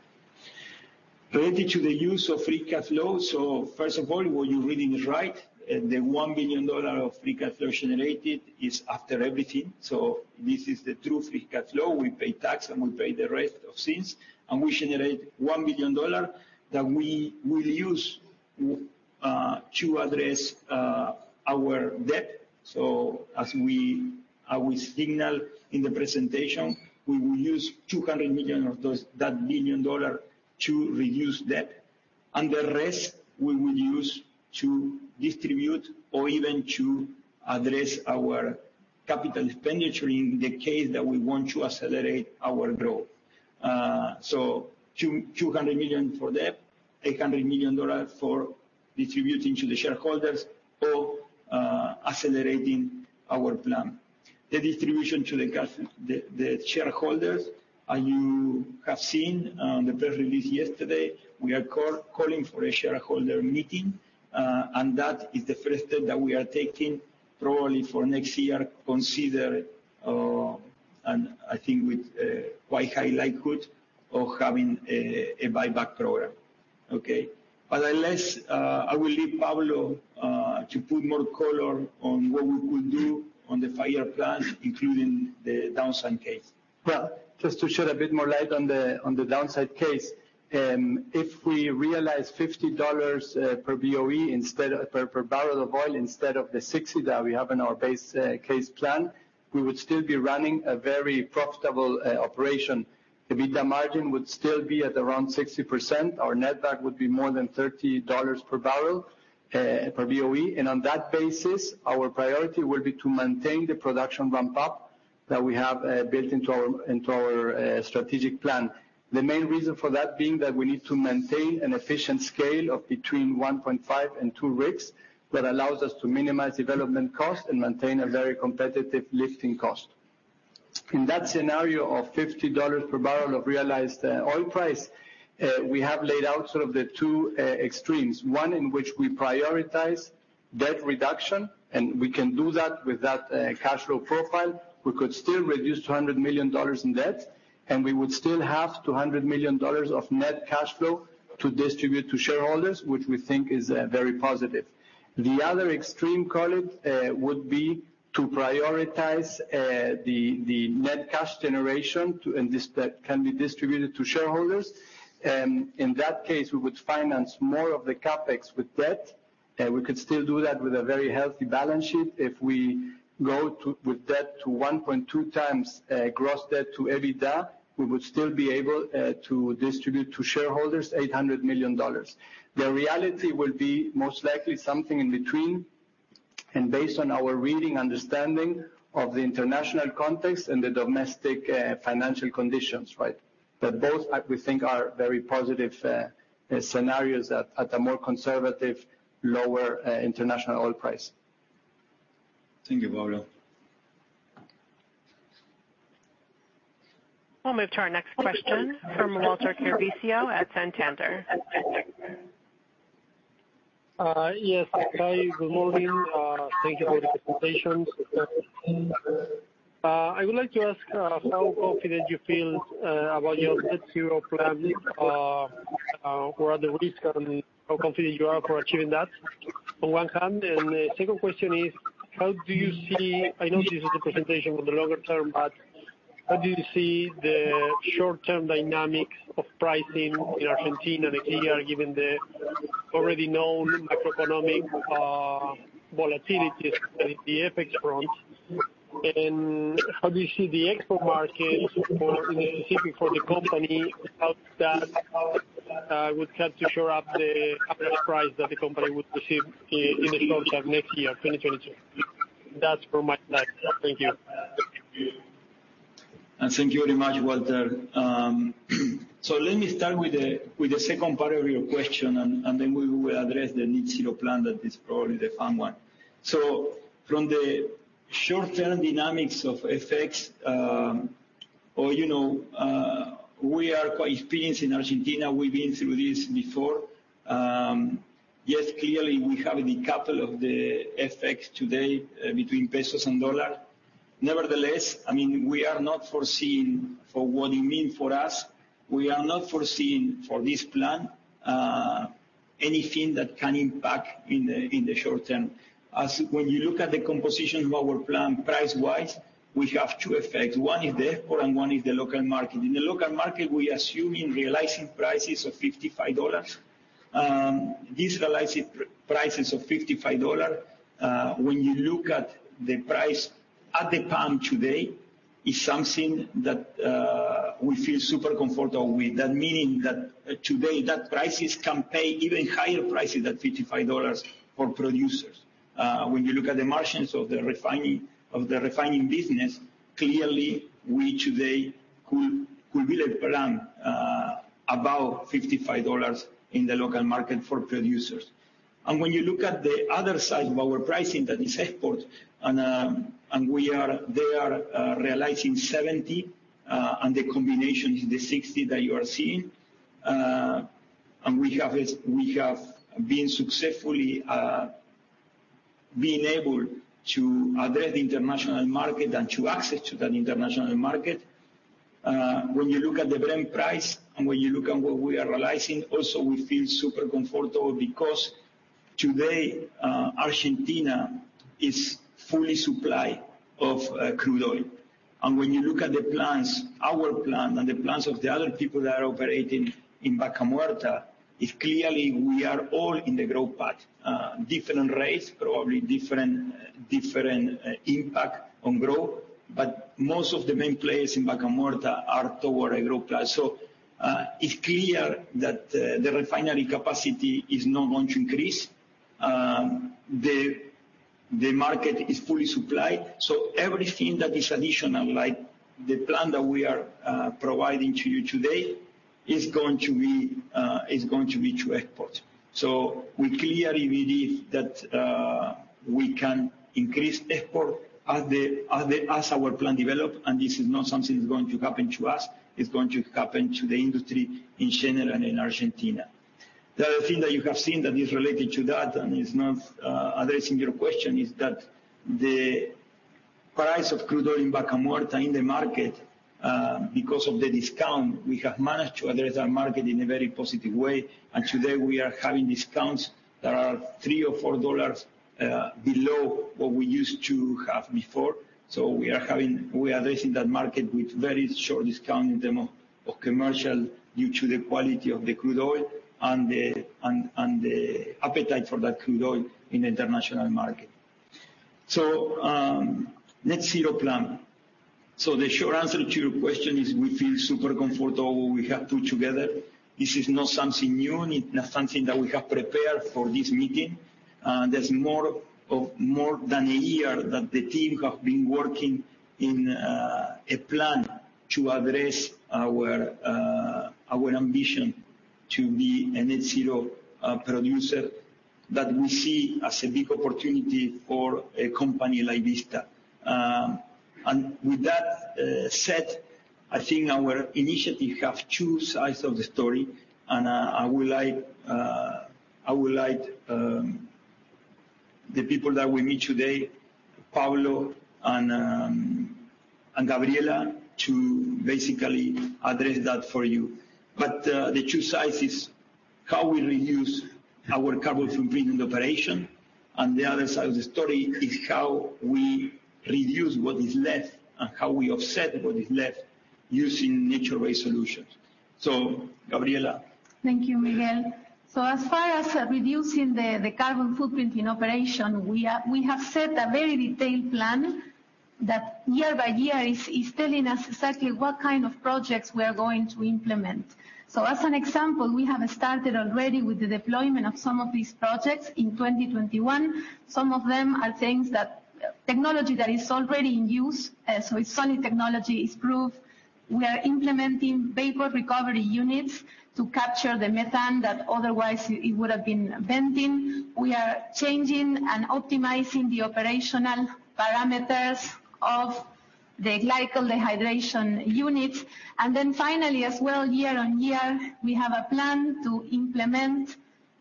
Related to the use of free cash flow, first of all, what you're reading is right. The $1 million of free cash flow generated is after everything. This is the true free cash flow. We pay tax, and we pay the rest of things, and we generate $1 million that we will use to address our debt. As I will signal in the presentation, we will use $200 million of those $1 million to reduce debt. The rest we will use to distribute or even to address our capital expenditure in the case that we want to accelerate our growth. $200 million for debt, $800 million for distributing to the shareholders or accelerating our plan. The distribution to the shareholders, you have seen the press release yesterday. We are calling for a shareholder meeting, and that is the first step that we are taking probably for next year, and I think with quite high likelihood of having a buyback program, okay. I will leave Pablo to put more color on what we will do on the five-year plan, including the downside case. Well, just to shed a bit more light on the downside case, if we realize $50 per BOE instead of per barrel of oil instead of the 60 that we have in our base case plan, we would still be running a very profitable operation. The EBITDA margin would still be at around 60%. Our netback would be more than $30 per barrel per BOE. On that basis, our priority will be to maintain the production ramp-up. That we have built into our strategic plan. The main reason for that being that we need to maintain an efficient scale of between 1.5 and 2 rigs that allows us to minimize development costs and maintain a very competitive lifting cost. In that scenario of $50 per barrel of realized oil price, we have laid out sort of the two extremes. One in which we prioritize debt reduction, and we can do that with that cash flow profile. We could still reduce $200 million in debt, and we would still have $200 million of net cash flow to distribute to shareholders, which we think is very positive. The other extreme, call it, would be to prioritize the net cash generation to and that can be distributed to shareholders. In that case, we would finance more of the CapEx with debt. We could still do that with a very healthy balance sheet. If we go to with debt to 1.2x gross debt to EBITDA, we would still be able to distribute to shareholders $800 million. The reality will be most likely something in between, and based on our reading, understanding of the international context and the domestic financial conditions, right? Both we think are very positive scenarios at a more conservative, lower international oil price. Thank you, Pablo. We'll move to our next question from Walter Chiarvesio at Santander. Yes. Hi, good morning. Thank you for the presentation. I would like to ask, how confident you feel about your net zero plan, what are the risks and how confident you are for achieving that, on one hand? The second question is, how do you see... I know this is a presentation for the longer term, but how do you see the short-term dynamics of pricing in Argentina next year, given the already known macroeconomic, volatility at the FX front? How do you see the export market for, specifically for the company? How that, would help to shore up the, up the price that the company would receive in the short term next year, 2022. That's for my side. Thank you. Thank you very much, Walter. So let me start with the second part of your question, and then we will address the net zero plan that is probably the fun one. From the short-term dynamics of FX, you know, we are quite experienced in Argentina. We've been through this before. Yes, clearly we have the capital of the FX today between pesos and dollar. Nevertheless, I mean, we are not foreseeing for what it mean for us. We are not foreseeing for this plan anything that can impact in the short term. As when you look at the composition of our plan price-wise, we have two effects. One is the export and one is the local market. In the local market, we're assuming realizing prices of $55. These realizing prices of $55, when you look at the price at the pump today, is something that we feel super comfortable with. That meaning that today that prices can pay even higher prices than $55 for producers. When you look at the margins of the refining business, clearly we today could build a plan above $55 in the local market for producers. When you look at the other side of our pricing, that is export, and they are realizing 70, and the combination is the 60 that you are seeing. We have been successfully able to address the international market and to access that international market. When you look at the blend price and when you look at what we are realizing, also we feel super comfortable because today, Argentina is fully supplied of crude oil. When you look at the plans, our plan and the plans of the other people that are operating in Vaca Muerta, it's clearly we are all in the growth path, different rates, probably different impact on growth. Most of the main players in Vaca Muerta are toward a growth path. It's clear that the refinery capacity is not going to increase. The market is fully supplied. Everything that is additional, like the plan that we are providing to you today, is going to be to export. We clearly believe that we can increase export as our plan develop, and this is not something that's going to happen to us, it's going to happen to the industry in general and in Argentina. The other thing that you have seen that is related to that and is not addressing your question is that the price of crude oil in Vaca Muerta in the market, because of the discount, we have managed to address our market in a very positive way. Today we are having discounts that are $3 or $4 below what we used to have before. We are addressing that market with very short discount in Medanito or commercial due to the quality of the crude oil and the appetite for that crude oil in the international market. Net zero plan. The short answer to your question is we feel super comfortable we have put together. This is not something new, it's not something that we have prepared for this meeting. There's more than a year that the team have been working in a plan to address our ambition to be a net zero producer that we see as a big opportunity for a company like Vista. With that said, I think our initiative have two sides of the story, and I would like the people that we meet today, Pablo and Gabriela, to basically address that for you. The two sides is how we reduce our carbon footprint in operation, and the other side of the story is how we reduce what is left and how we offset what is left using nature-based solutions. Gabriela. Thank you, Miguel. As far as reducing the carbon footprint in operation, we have set a very detailed plan that year by year is telling us exactly what kind of projects we are going to implement. As an example, we have started already with the deployment of some of these projects in 2021. Some of them are things that technology that is already in use, so it's solid technology, it's proved. We are implementing vapor recovery units to capture the methane that otherwise it would have been venting. We are changing and optimizing the operational parameters of the glycol dehydration units. Then finally, as well, year-on-year, we have a plan to implement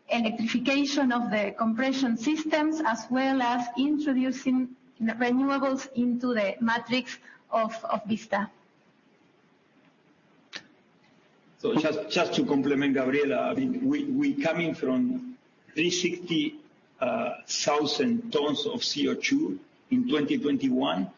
electrification of the compression systems, as well as introducing renewables into the matrix of Vista. Just to complement Gabriela, I mean, we coming from 360,000 tons of CO2 in 2021.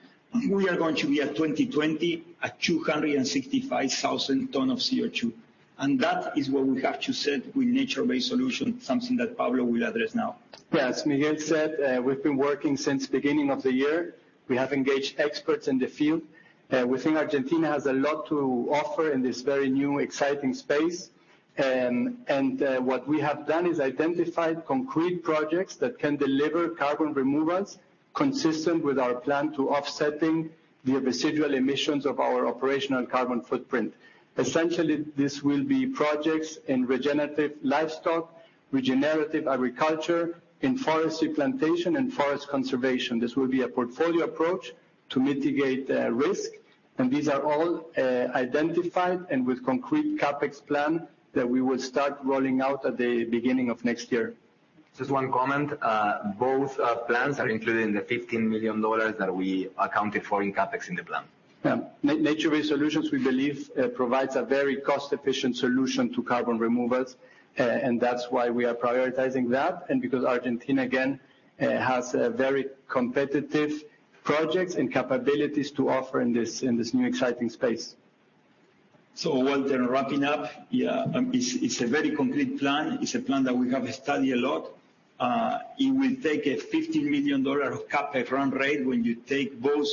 We are going to be at 2022 at 265,000 tons of CO2, and that is what we have to set with nature-based solution, something that Pablo will address now. Yes, Miguel said, we've been working since beginning of the year. We have engaged experts in the field. We think Argentina has a lot to offer in this very new, exciting space. What we have done is identified concrete projects that can deliver carbon removals consistent with our plan to offsetting the residual emissions of our operational carbon footprint. Essentially, this will be projects in regenerative livestock, regenerative agriculture, in forestry plantation and forest conservation. This will be a portfolio approach to mitigate risk, and these are all identified and with concrete CapEx plan that we will start rolling out at the beginning of next year. Just one comment. Both plans are included in the $15 million that we accounted for in CapEx in the plan. Yeah. Nature-based solutions, we believe, provides a very cost-efficient solution to carbon removals. That's why we are prioritizing that, and because Argentina, again, has a very competitive projects and capabilities to offer in this new exciting space. While they're wrapping up, it's a very complete plan. It's a plan that we have studied a lot. It will take a $15 million CapEx run rate when you take both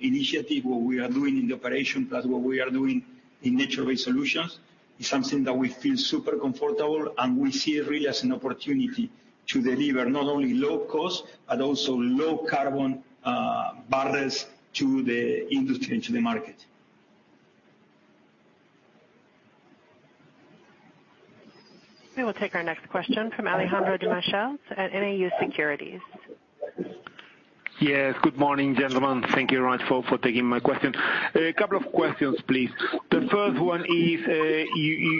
initiatives, what we are doing in the operation, plus what we are doing in nature-based solutions. It's something that we feel super comfortable, and we see it really as an opportunity to deliver not only low-cost, but also low-carbon barrels to the industry and to the market. We will take our next question from Alejandro Demichelis at Nau Securities. Yes. Good morning, gentlemen. Thank you very much for taking my question. A couple of questions, please. The first one is,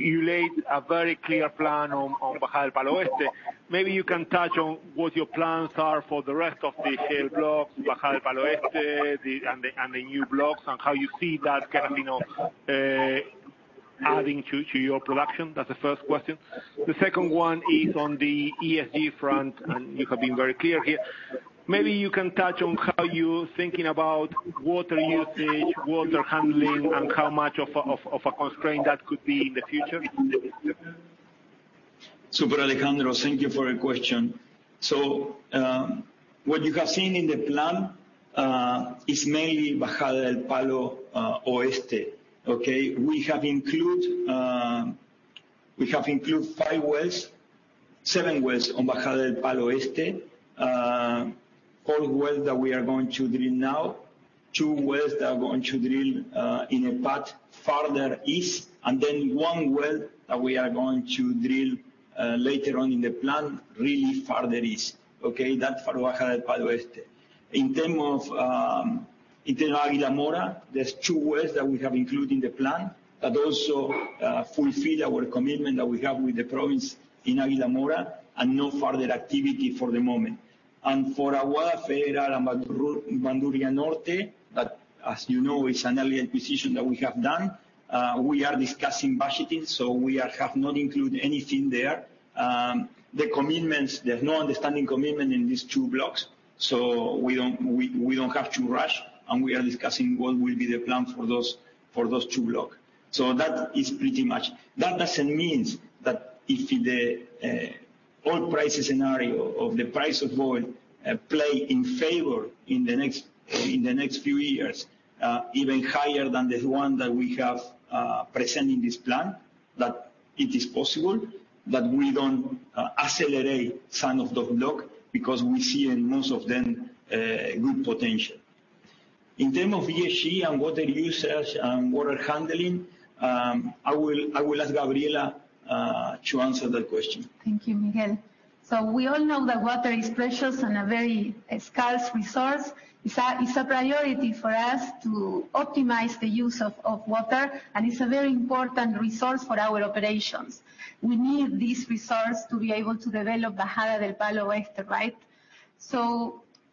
you laid a very clear plan on Bajada del Palo Este. Maybe you can touch on what your plans are for the rest of the shale blocks, Bajada del Palo Este, and the new blocks, and how you see that kind of adding to your production. That's the first question. The second one is on the ESG front, and you have been very clear here. Maybe you can touch on how you're thinking about water usage, water handling, and how much of a constraint that could be in the future. Super, Alejandro. Thank you for your question. What you have seen in the plan is mainly Bajada del Palo Oeste. Okay? We have included five to seven wells on Bajada del Palo Oeste. Four wells that we are going to drill now, two wells that we are going to drill in a part farther east, and then one well that we are going to drill later on in the plan, really farther east, okay? That's for Bajada del Palo Oeste. In terms of Águila Mora, there's two wells that we have included in the plan that also fulfill our commitment that we have with the province in Águila Mora and no further activity for the moment. For Aguada Federal and Bandurria Norte, that, as you know, is an early acquisition that we have done, we are discussing budgeting, so we have not included anything there. The commitments, there's no firm commitment in these two blocks, so we don't have to rush, and we are discussing what will be the plan for those two blocks. That is pretty much. That doesn't mean that if the oil price scenario, the price of oil, plays in favor in the next few years, even higher than the one that we have presented in this plan, that it is possible that we don't accelerate signing of the blocks because we see in most of them good potential. In terms of ESG and water usage and water handling, I will ask Gabriela to answer that question. Thank you, Miguel. We all know that water is precious and a very scarce resource. It's a priority for us to optimize the use of water, and it's a very important resource for our operations. We need this resource to be able to develop the Bajada del Palo Este, right?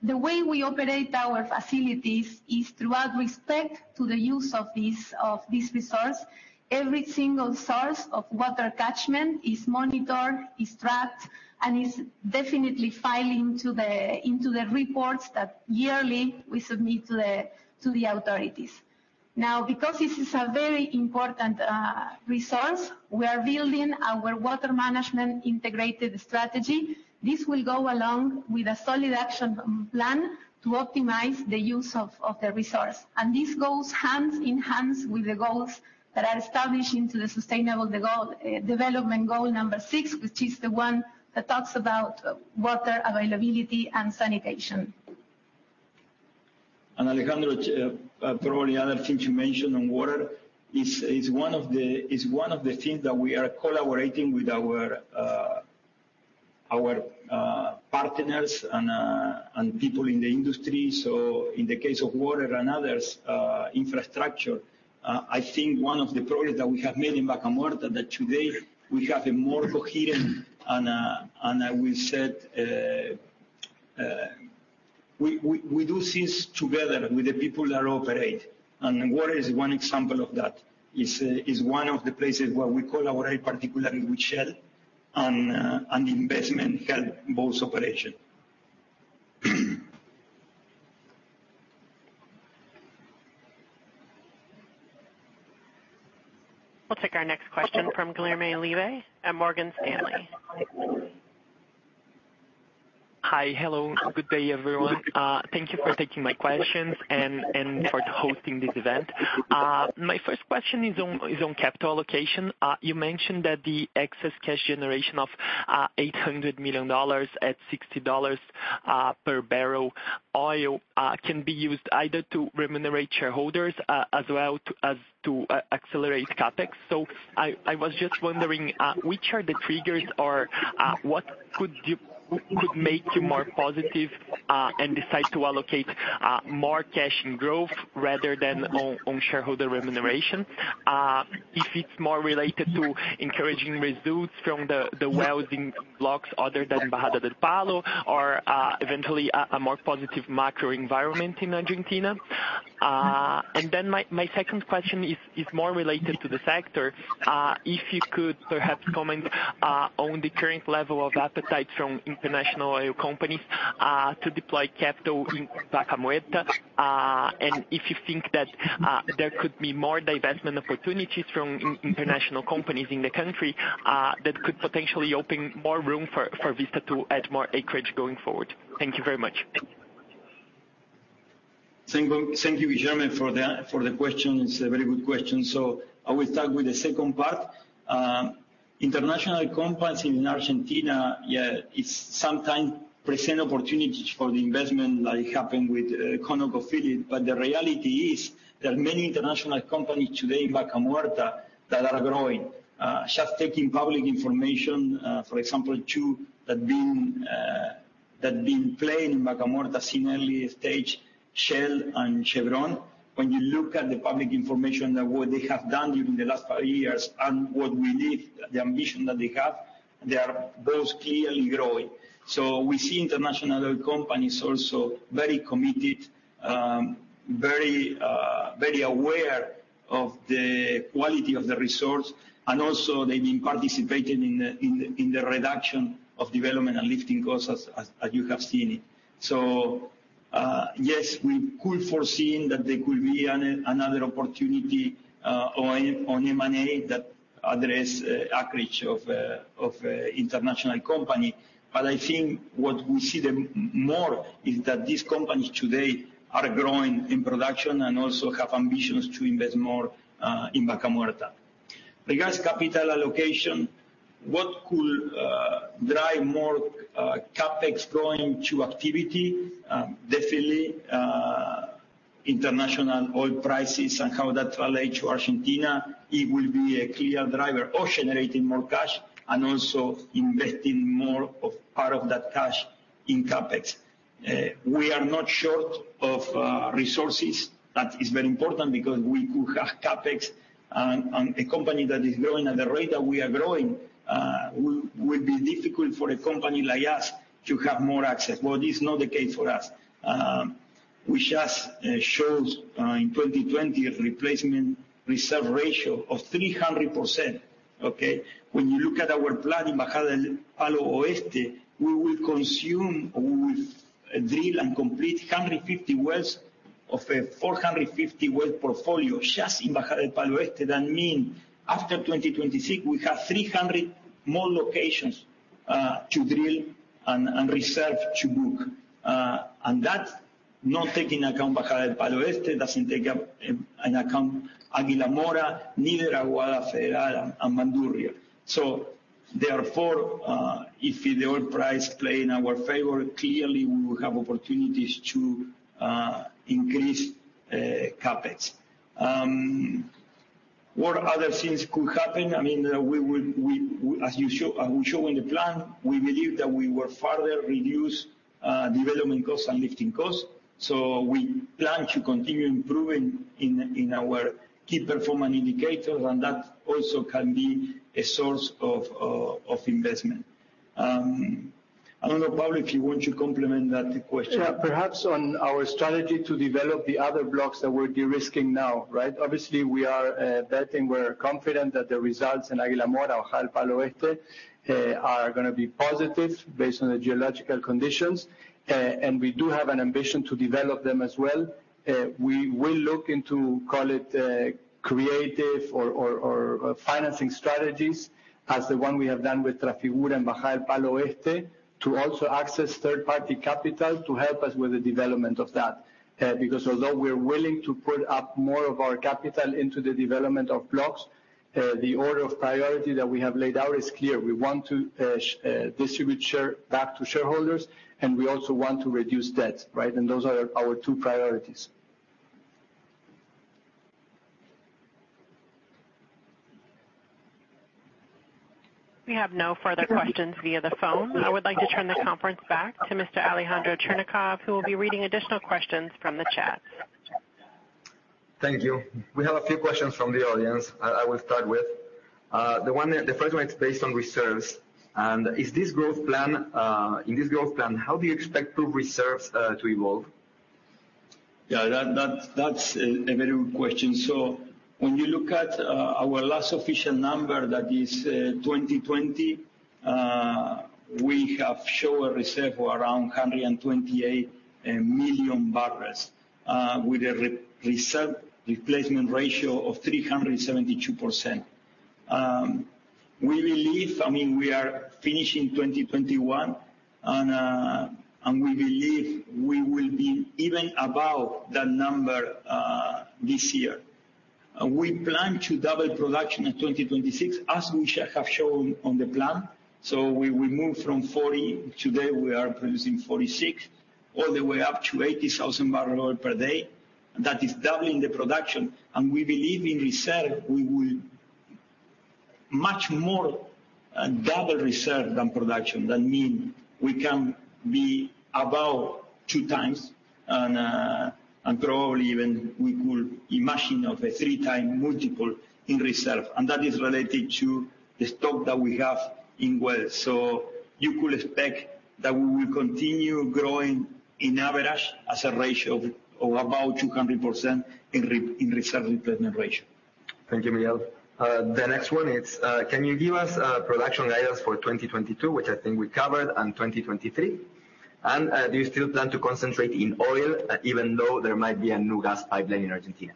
The way we operate our facilities is with respect to the use of this resource. Every single source of water catchment is monitored, is tracked, and is definitely feeding into the reports that yearly we submit to the authorities. Now, because this is a very important resource, we are building our water management integrated strategy. This will go along with a solid action plan to optimize the use of the resource. This goes hand in hand with the goals that are established in the Sustainable Development Goal number six, which is the one that talks about water availability and sanitation. Alejandro, probably another thing to mention on water is one of the things that we are collaborating with our partners and people in the industry. In the case of water and other infrastructure, I think one of the progress that we have made in Vaca Muerta that today we have a more coherent and, as we said, we do things together with the people that operate. Water is one example of that, is one of the places where we collaborate particularly with Shell, and investment helps both operations. We'll take our next question from Guilherme Levy at Morgan Stanley. Hi. Hello. Good day, everyone. Thank you for taking my questions and for hosting this event. My first question is on capital allocation. You mentioned that the excess cash generation of $800 million at $60 per barrel oil can be used either to remunerate shareholders as well as to accelerate CapEx. I was just wondering which are the triggers or what could make you more positive and decide to allocate more cash in growth rather than on shareholder remuneration. If it's more related to encouraging results from the wells in blocks other than Bajada del Palo or eventually a more positive macro environment in Argentina. My second question is more related to the sector. If you could perhaps comment on the current level of appetite from international oil companies to deploy capital in Vaca Muerta. If you think that there could be more divestment opportunities from international companies in the country that could potentially open more room for Vista to add more acreage going forward. Thank you very much. Thank you, Guilherme, for the question. It's a very good question, so I will start with the second part. International companies in Argentina, yeah, it's sometimes present opportunities for the investment like happened with ConocoPhillips, but the reality is there are many international companies today in Vaca Muerta that are growing. Just taking public information, for example, two that been playing in Vaca Muerta similar stage, Shell and Chevron. When you look at the public information at what they have done during the last five years and what we need, the ambition that they have, they are both clearly growing. We see international oil companies also very committed, very aware of the quality of the resource, and also they've been participating in the reduction of development and lifting costs as you have seen it. Yes, we could foresee that there could be another opportunity on M&A that addresses acreage of international company. But I think what we see them more is that these companies today are growing in production and also have ambitions to invest more in Vaca Muerta. Regarding capital allocation, what could drive more CapEx growth in activity? Definitely, international oil prices and how that relates to Argentina, it will be a clear driver of generating more cash and also investing more, part of that cash in CapEx. We are not short of resources. That is very important because we could have CapEx and a company that is growing at the rate that we are growing will be difficult for a company like us to have more access. This is not the case for us. We just showed in 2020 a replacement reserve ratio of 300%, okay? When you look at our plan in Bajada del Palo Oeste, we will consume or we will drill and complete 150 wells of a 450 well portfolio just in Bajada del Palo Oeste. That means after 2026, we have 300 more locations to drill and reserve to book. And that's not taking into account Bajada del Palo Este, doesn't take into account Águila Mora, neither Aguada Federal and Bandurria Norte. Therefore, if the oil price play in our favor, clearly we will have opportunities to increase CapEx. What other things could happen? I mean, we would as we show in the plan, we believe that we will further reduce development costs and lifting costs. We plan to continue improving in our key performance indicators, and that also can be a source of investment. I don't know, Pablo, if you want to comment on that question. Yeah. Perhaps on our strategy to develop the other blocks that we're de-risking now, right? Obviously, we are betting we're confident that the results in Águila Mora or Bajada del Palo Este are gonna be positive based on the geological conditions. We do have an ambition to develop them as well. We will look into, call it, creative or financing strategies as the one we have done with Trafigura and Bajada del Palo Este to also access third-party capital to help us with the development of that. Because although we're willing to put up more of our capital into the development of blocks, the order of priority that we have laid out is clear. We want to distribute share back to shareholders, and we also want to reduce debt, right? Those are our two priorities. We have no further questions via the phone. I would like to turn the conference back to Mr. Alejandro Cherñacov, who will be reading additional questions from the chat. Thank you. We have a few questions from the audience I will start with. The first one is based on reserves. In this growth plan, how do you expect proved reserves to evolve? Yeah, that's a very good question. When you look at our last official number, that is 2020, we have shown a reserve of around 128 million barrels with a reserve replacement ratio of 372%. I mean, we are finishing 2021, and we believe we will be even above that number this year. We plan to double production in 2026, as we have shown on the plan. We move from 40, today we are producing 46, all the way up to 80,000 barrels of oil per day. That is doubling the production. We believe in reserve, we will much more double reserve than production. That means we can be about 2x and probably even we could imagine of a 3x multiple in reserves. That is related to the stock that we have in wells. You could expect that we will continue growing on average as a ratio of about 200% in reserve replacement ratio. Thank you, Miguel. The next one is, can you give us production guidance for 2022, which I think we covered, and 2023? Do you still plan to concentrate in oil even though there might be a new gas pipeline in Argentina?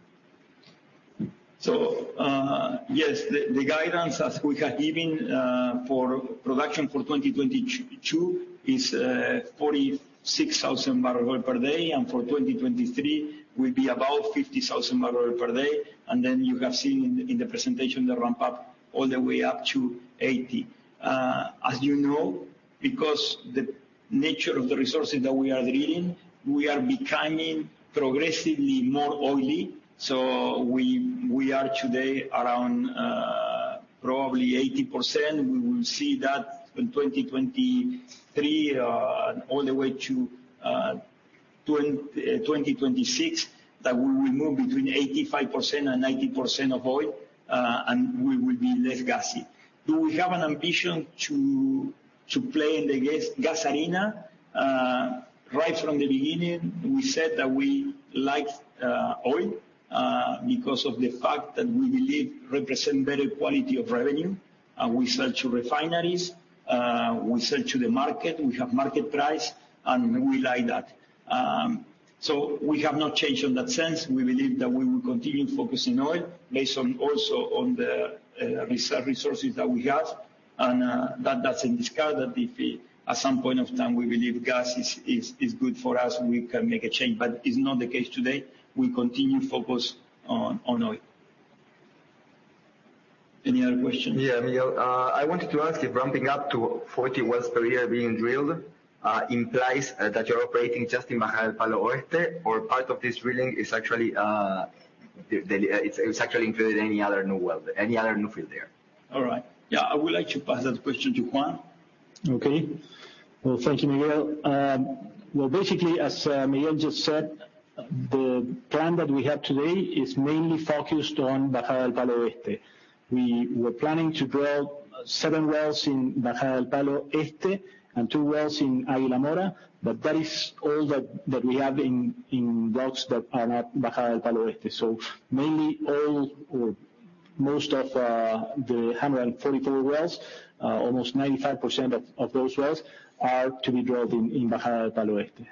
Yes. The guidance as we have given for production for 2022 is 46,000 barrels of oil per day, and for 2023 will be about 50,000 barrels of oil per day. You have seen in the presentation the ramp up all the way up to 80. As you know, because the nature of the resources that we are drilling, we are becoming progressively more oily. We are today around probably 80%. We will see that in 2023, and all the way to 2026, that we will move between 85% and 90% of oil, and we will be less gassy. Do we have an ambition to play in the gas arena? Right from the beginning, we said that we like oil because of the fact that we believe represent better quality of revenue. We sell to refineries, we sell to the market, we have market price, and we like that. We have not changed on that sense. We believe that we will continue focusing oil based on also on the resources that we have. That's not discarded that if at some point of time we believe gas is good for us, we can make a change. It's not the case today. We continue focus on oil. Any other questions? Yeah, Miguel. I wanted to ask if ramping up to 40 wells per year being drilled implies that you're operating just in Bajada del Palo Este or part of this drilling is actually included any other new well, any other new field there? All right. Yeah. I would like to pass that question to Juan. Okay. Well, thank you, Miguel. Well, basically, as Miguel just said, the plan that we have today is mainly focused on Bajada del Palo Este. We were planning to drill seven wells in Bajada del Palo Este and two wells in Águila Mora, but that is all that we have in blocks that are not Bajada del Palo Este. Mainly all or most of the 144 wells, almost 95% of those wells are to be drilled in Bajada del Palo Este.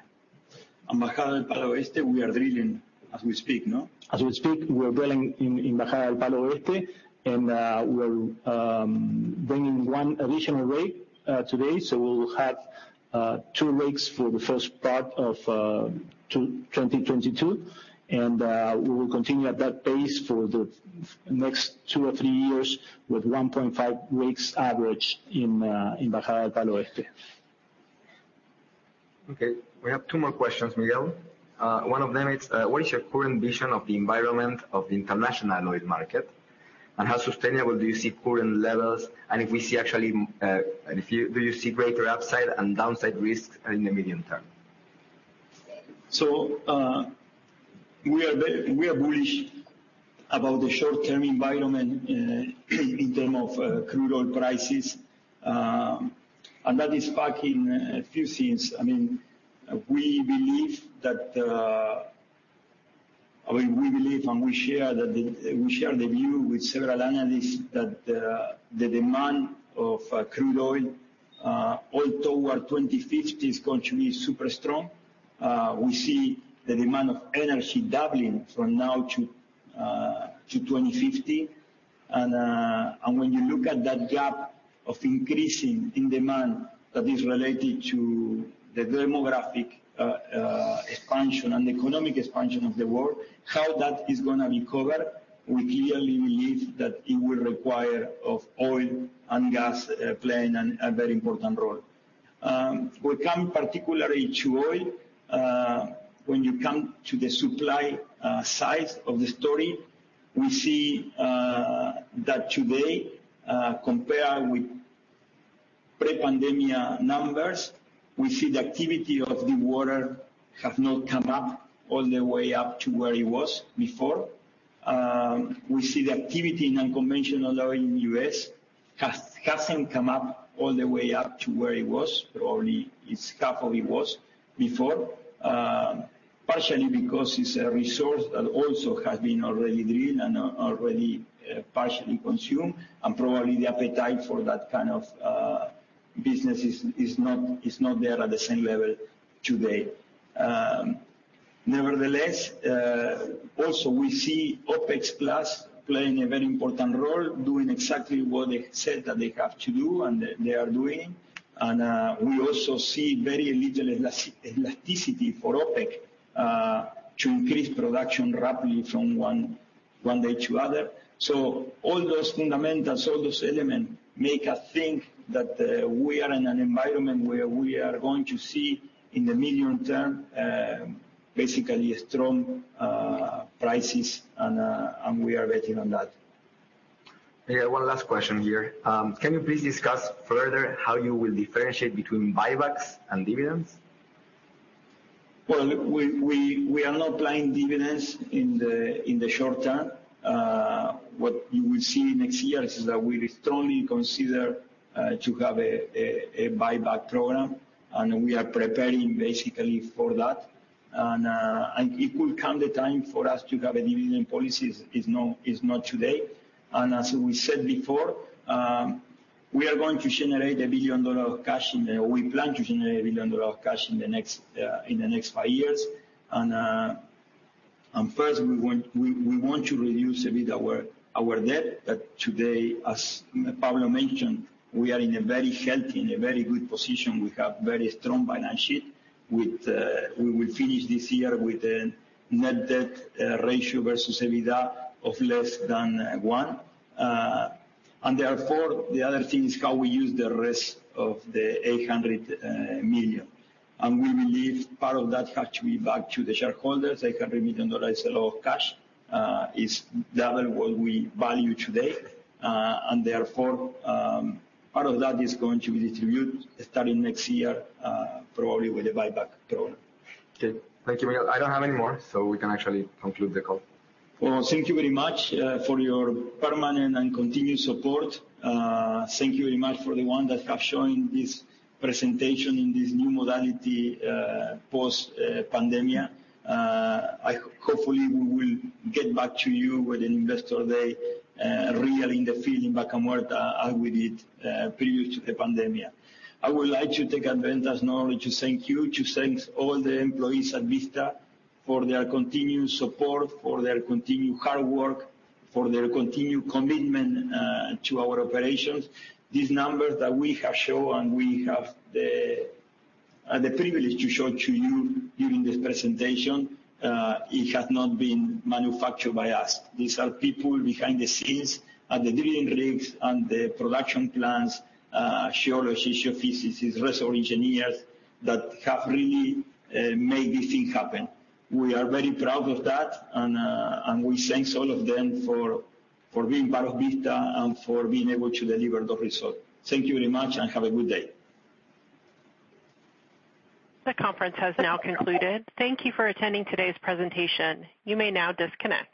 Bajada del Palo Este we are drilling as we speak, no? As we speak, we are drilling in Bajada del Palo Este, and we're bringing one additional rig today. We'll have two rigs for the first part of 2022. We will continue at that pace for the next two or three years with 1.5 rigs average in Bajada del Palo Oeste. Okay. We have two more questions, Miguel. One of them is what is your current vision of the environment of the international oil market? How sustainable do you see current levels? Do you see greater upside and downside risks in the medium term? We are bullish about the short-term environment in terms of crude oil prices. That is backing a few things. I mean, we believe and we share the view with several analysts that the demand of crude oil toward 2050 is going to be super strong. We see the demand of energy doubling from now to 2050. When you look at that gap of increasing in demand that is related to the demographic expansion and economic expansion of the world, how that is gonna be covered, we clearly believe that it will require of oil and gas playing a very important role. We come particularly to oil, when you come to the supply side of the story. We see that today, compare with pre-pandemic numbers, we see the activity of the water have not come up all the way up to where it was before. We see the activity in unconventional oil in the U.S. hasn't come up all the way up to where it was. Probably it's half of it was before. Partially because it's a resource that also has been already drilled and already partially consumed. Probably the appetite for that kind of business is not there at the same level today. Nevertheless, also we see OPEC+ playing a very important role, doing exactly what they said that they have to do and they are doing. We also see very little elasticity for OPEC to increase production rapidly from one day to other. All those fundamentals, all those elements make us think that we are in an environment where we are going to see, in the medium term, basically strong prices and we are betting on that. Yeah. One last question here. Can you please discuss further how you will differentiate between buybacks and dividends? Well, we are not planning dividends in the short term. What you will see next year is that we will strongly consider to have a buyback program, and we are preparing basically for that. It will come the time for us to have a dividend policy is not today. We plan to generate $1 billion of cash in the next five years. First we want to reduce a bit our debt that today, as Pablo mentioned, we are in a very healthy, in a very good position. We have very strong balance sheet. We will finish this year with a net debt ratio versus EBITDA of less than 1. Therefore, the other thing is how we use the rest of the $800 million. We believe part of that has to be back to the shareholders. $800 million is a lot of cash. It is double what we value today. Therefore, part of that is going to be distributed starting next year, probably with a buyback program. Okay. Thank you, Miguel. I don't have any more, so we can actually conclude the call. Well, thank you very much for your permanent and continued support. Thank you very much for the one that have joined this presentation in this new modality, post-pandemic. Hopefully, we will get back to you with an investor day, really in the field in Vaca Muerta, as we did previous to the pandemic. I would like to take advantage now to thank you, to thank all the employees at Vista for their continued support, for their continued hard work, for their continued commitment to our operations. These numbers that we have shown, we have the privilege to show to you during this presentation, it has not been manufactured by us. These are people behind the scenes, at the drilling rigs and the production plants, geologists, geophysicists, reservoir engineers that have really made this thing happen. We are very proud of that, and we thanks all of them for being part of Vista and for being able to deliver the result. Thank you very much and have a good day. The conference has now concluded. Thank you for attending today's presentation. You may now disconnect.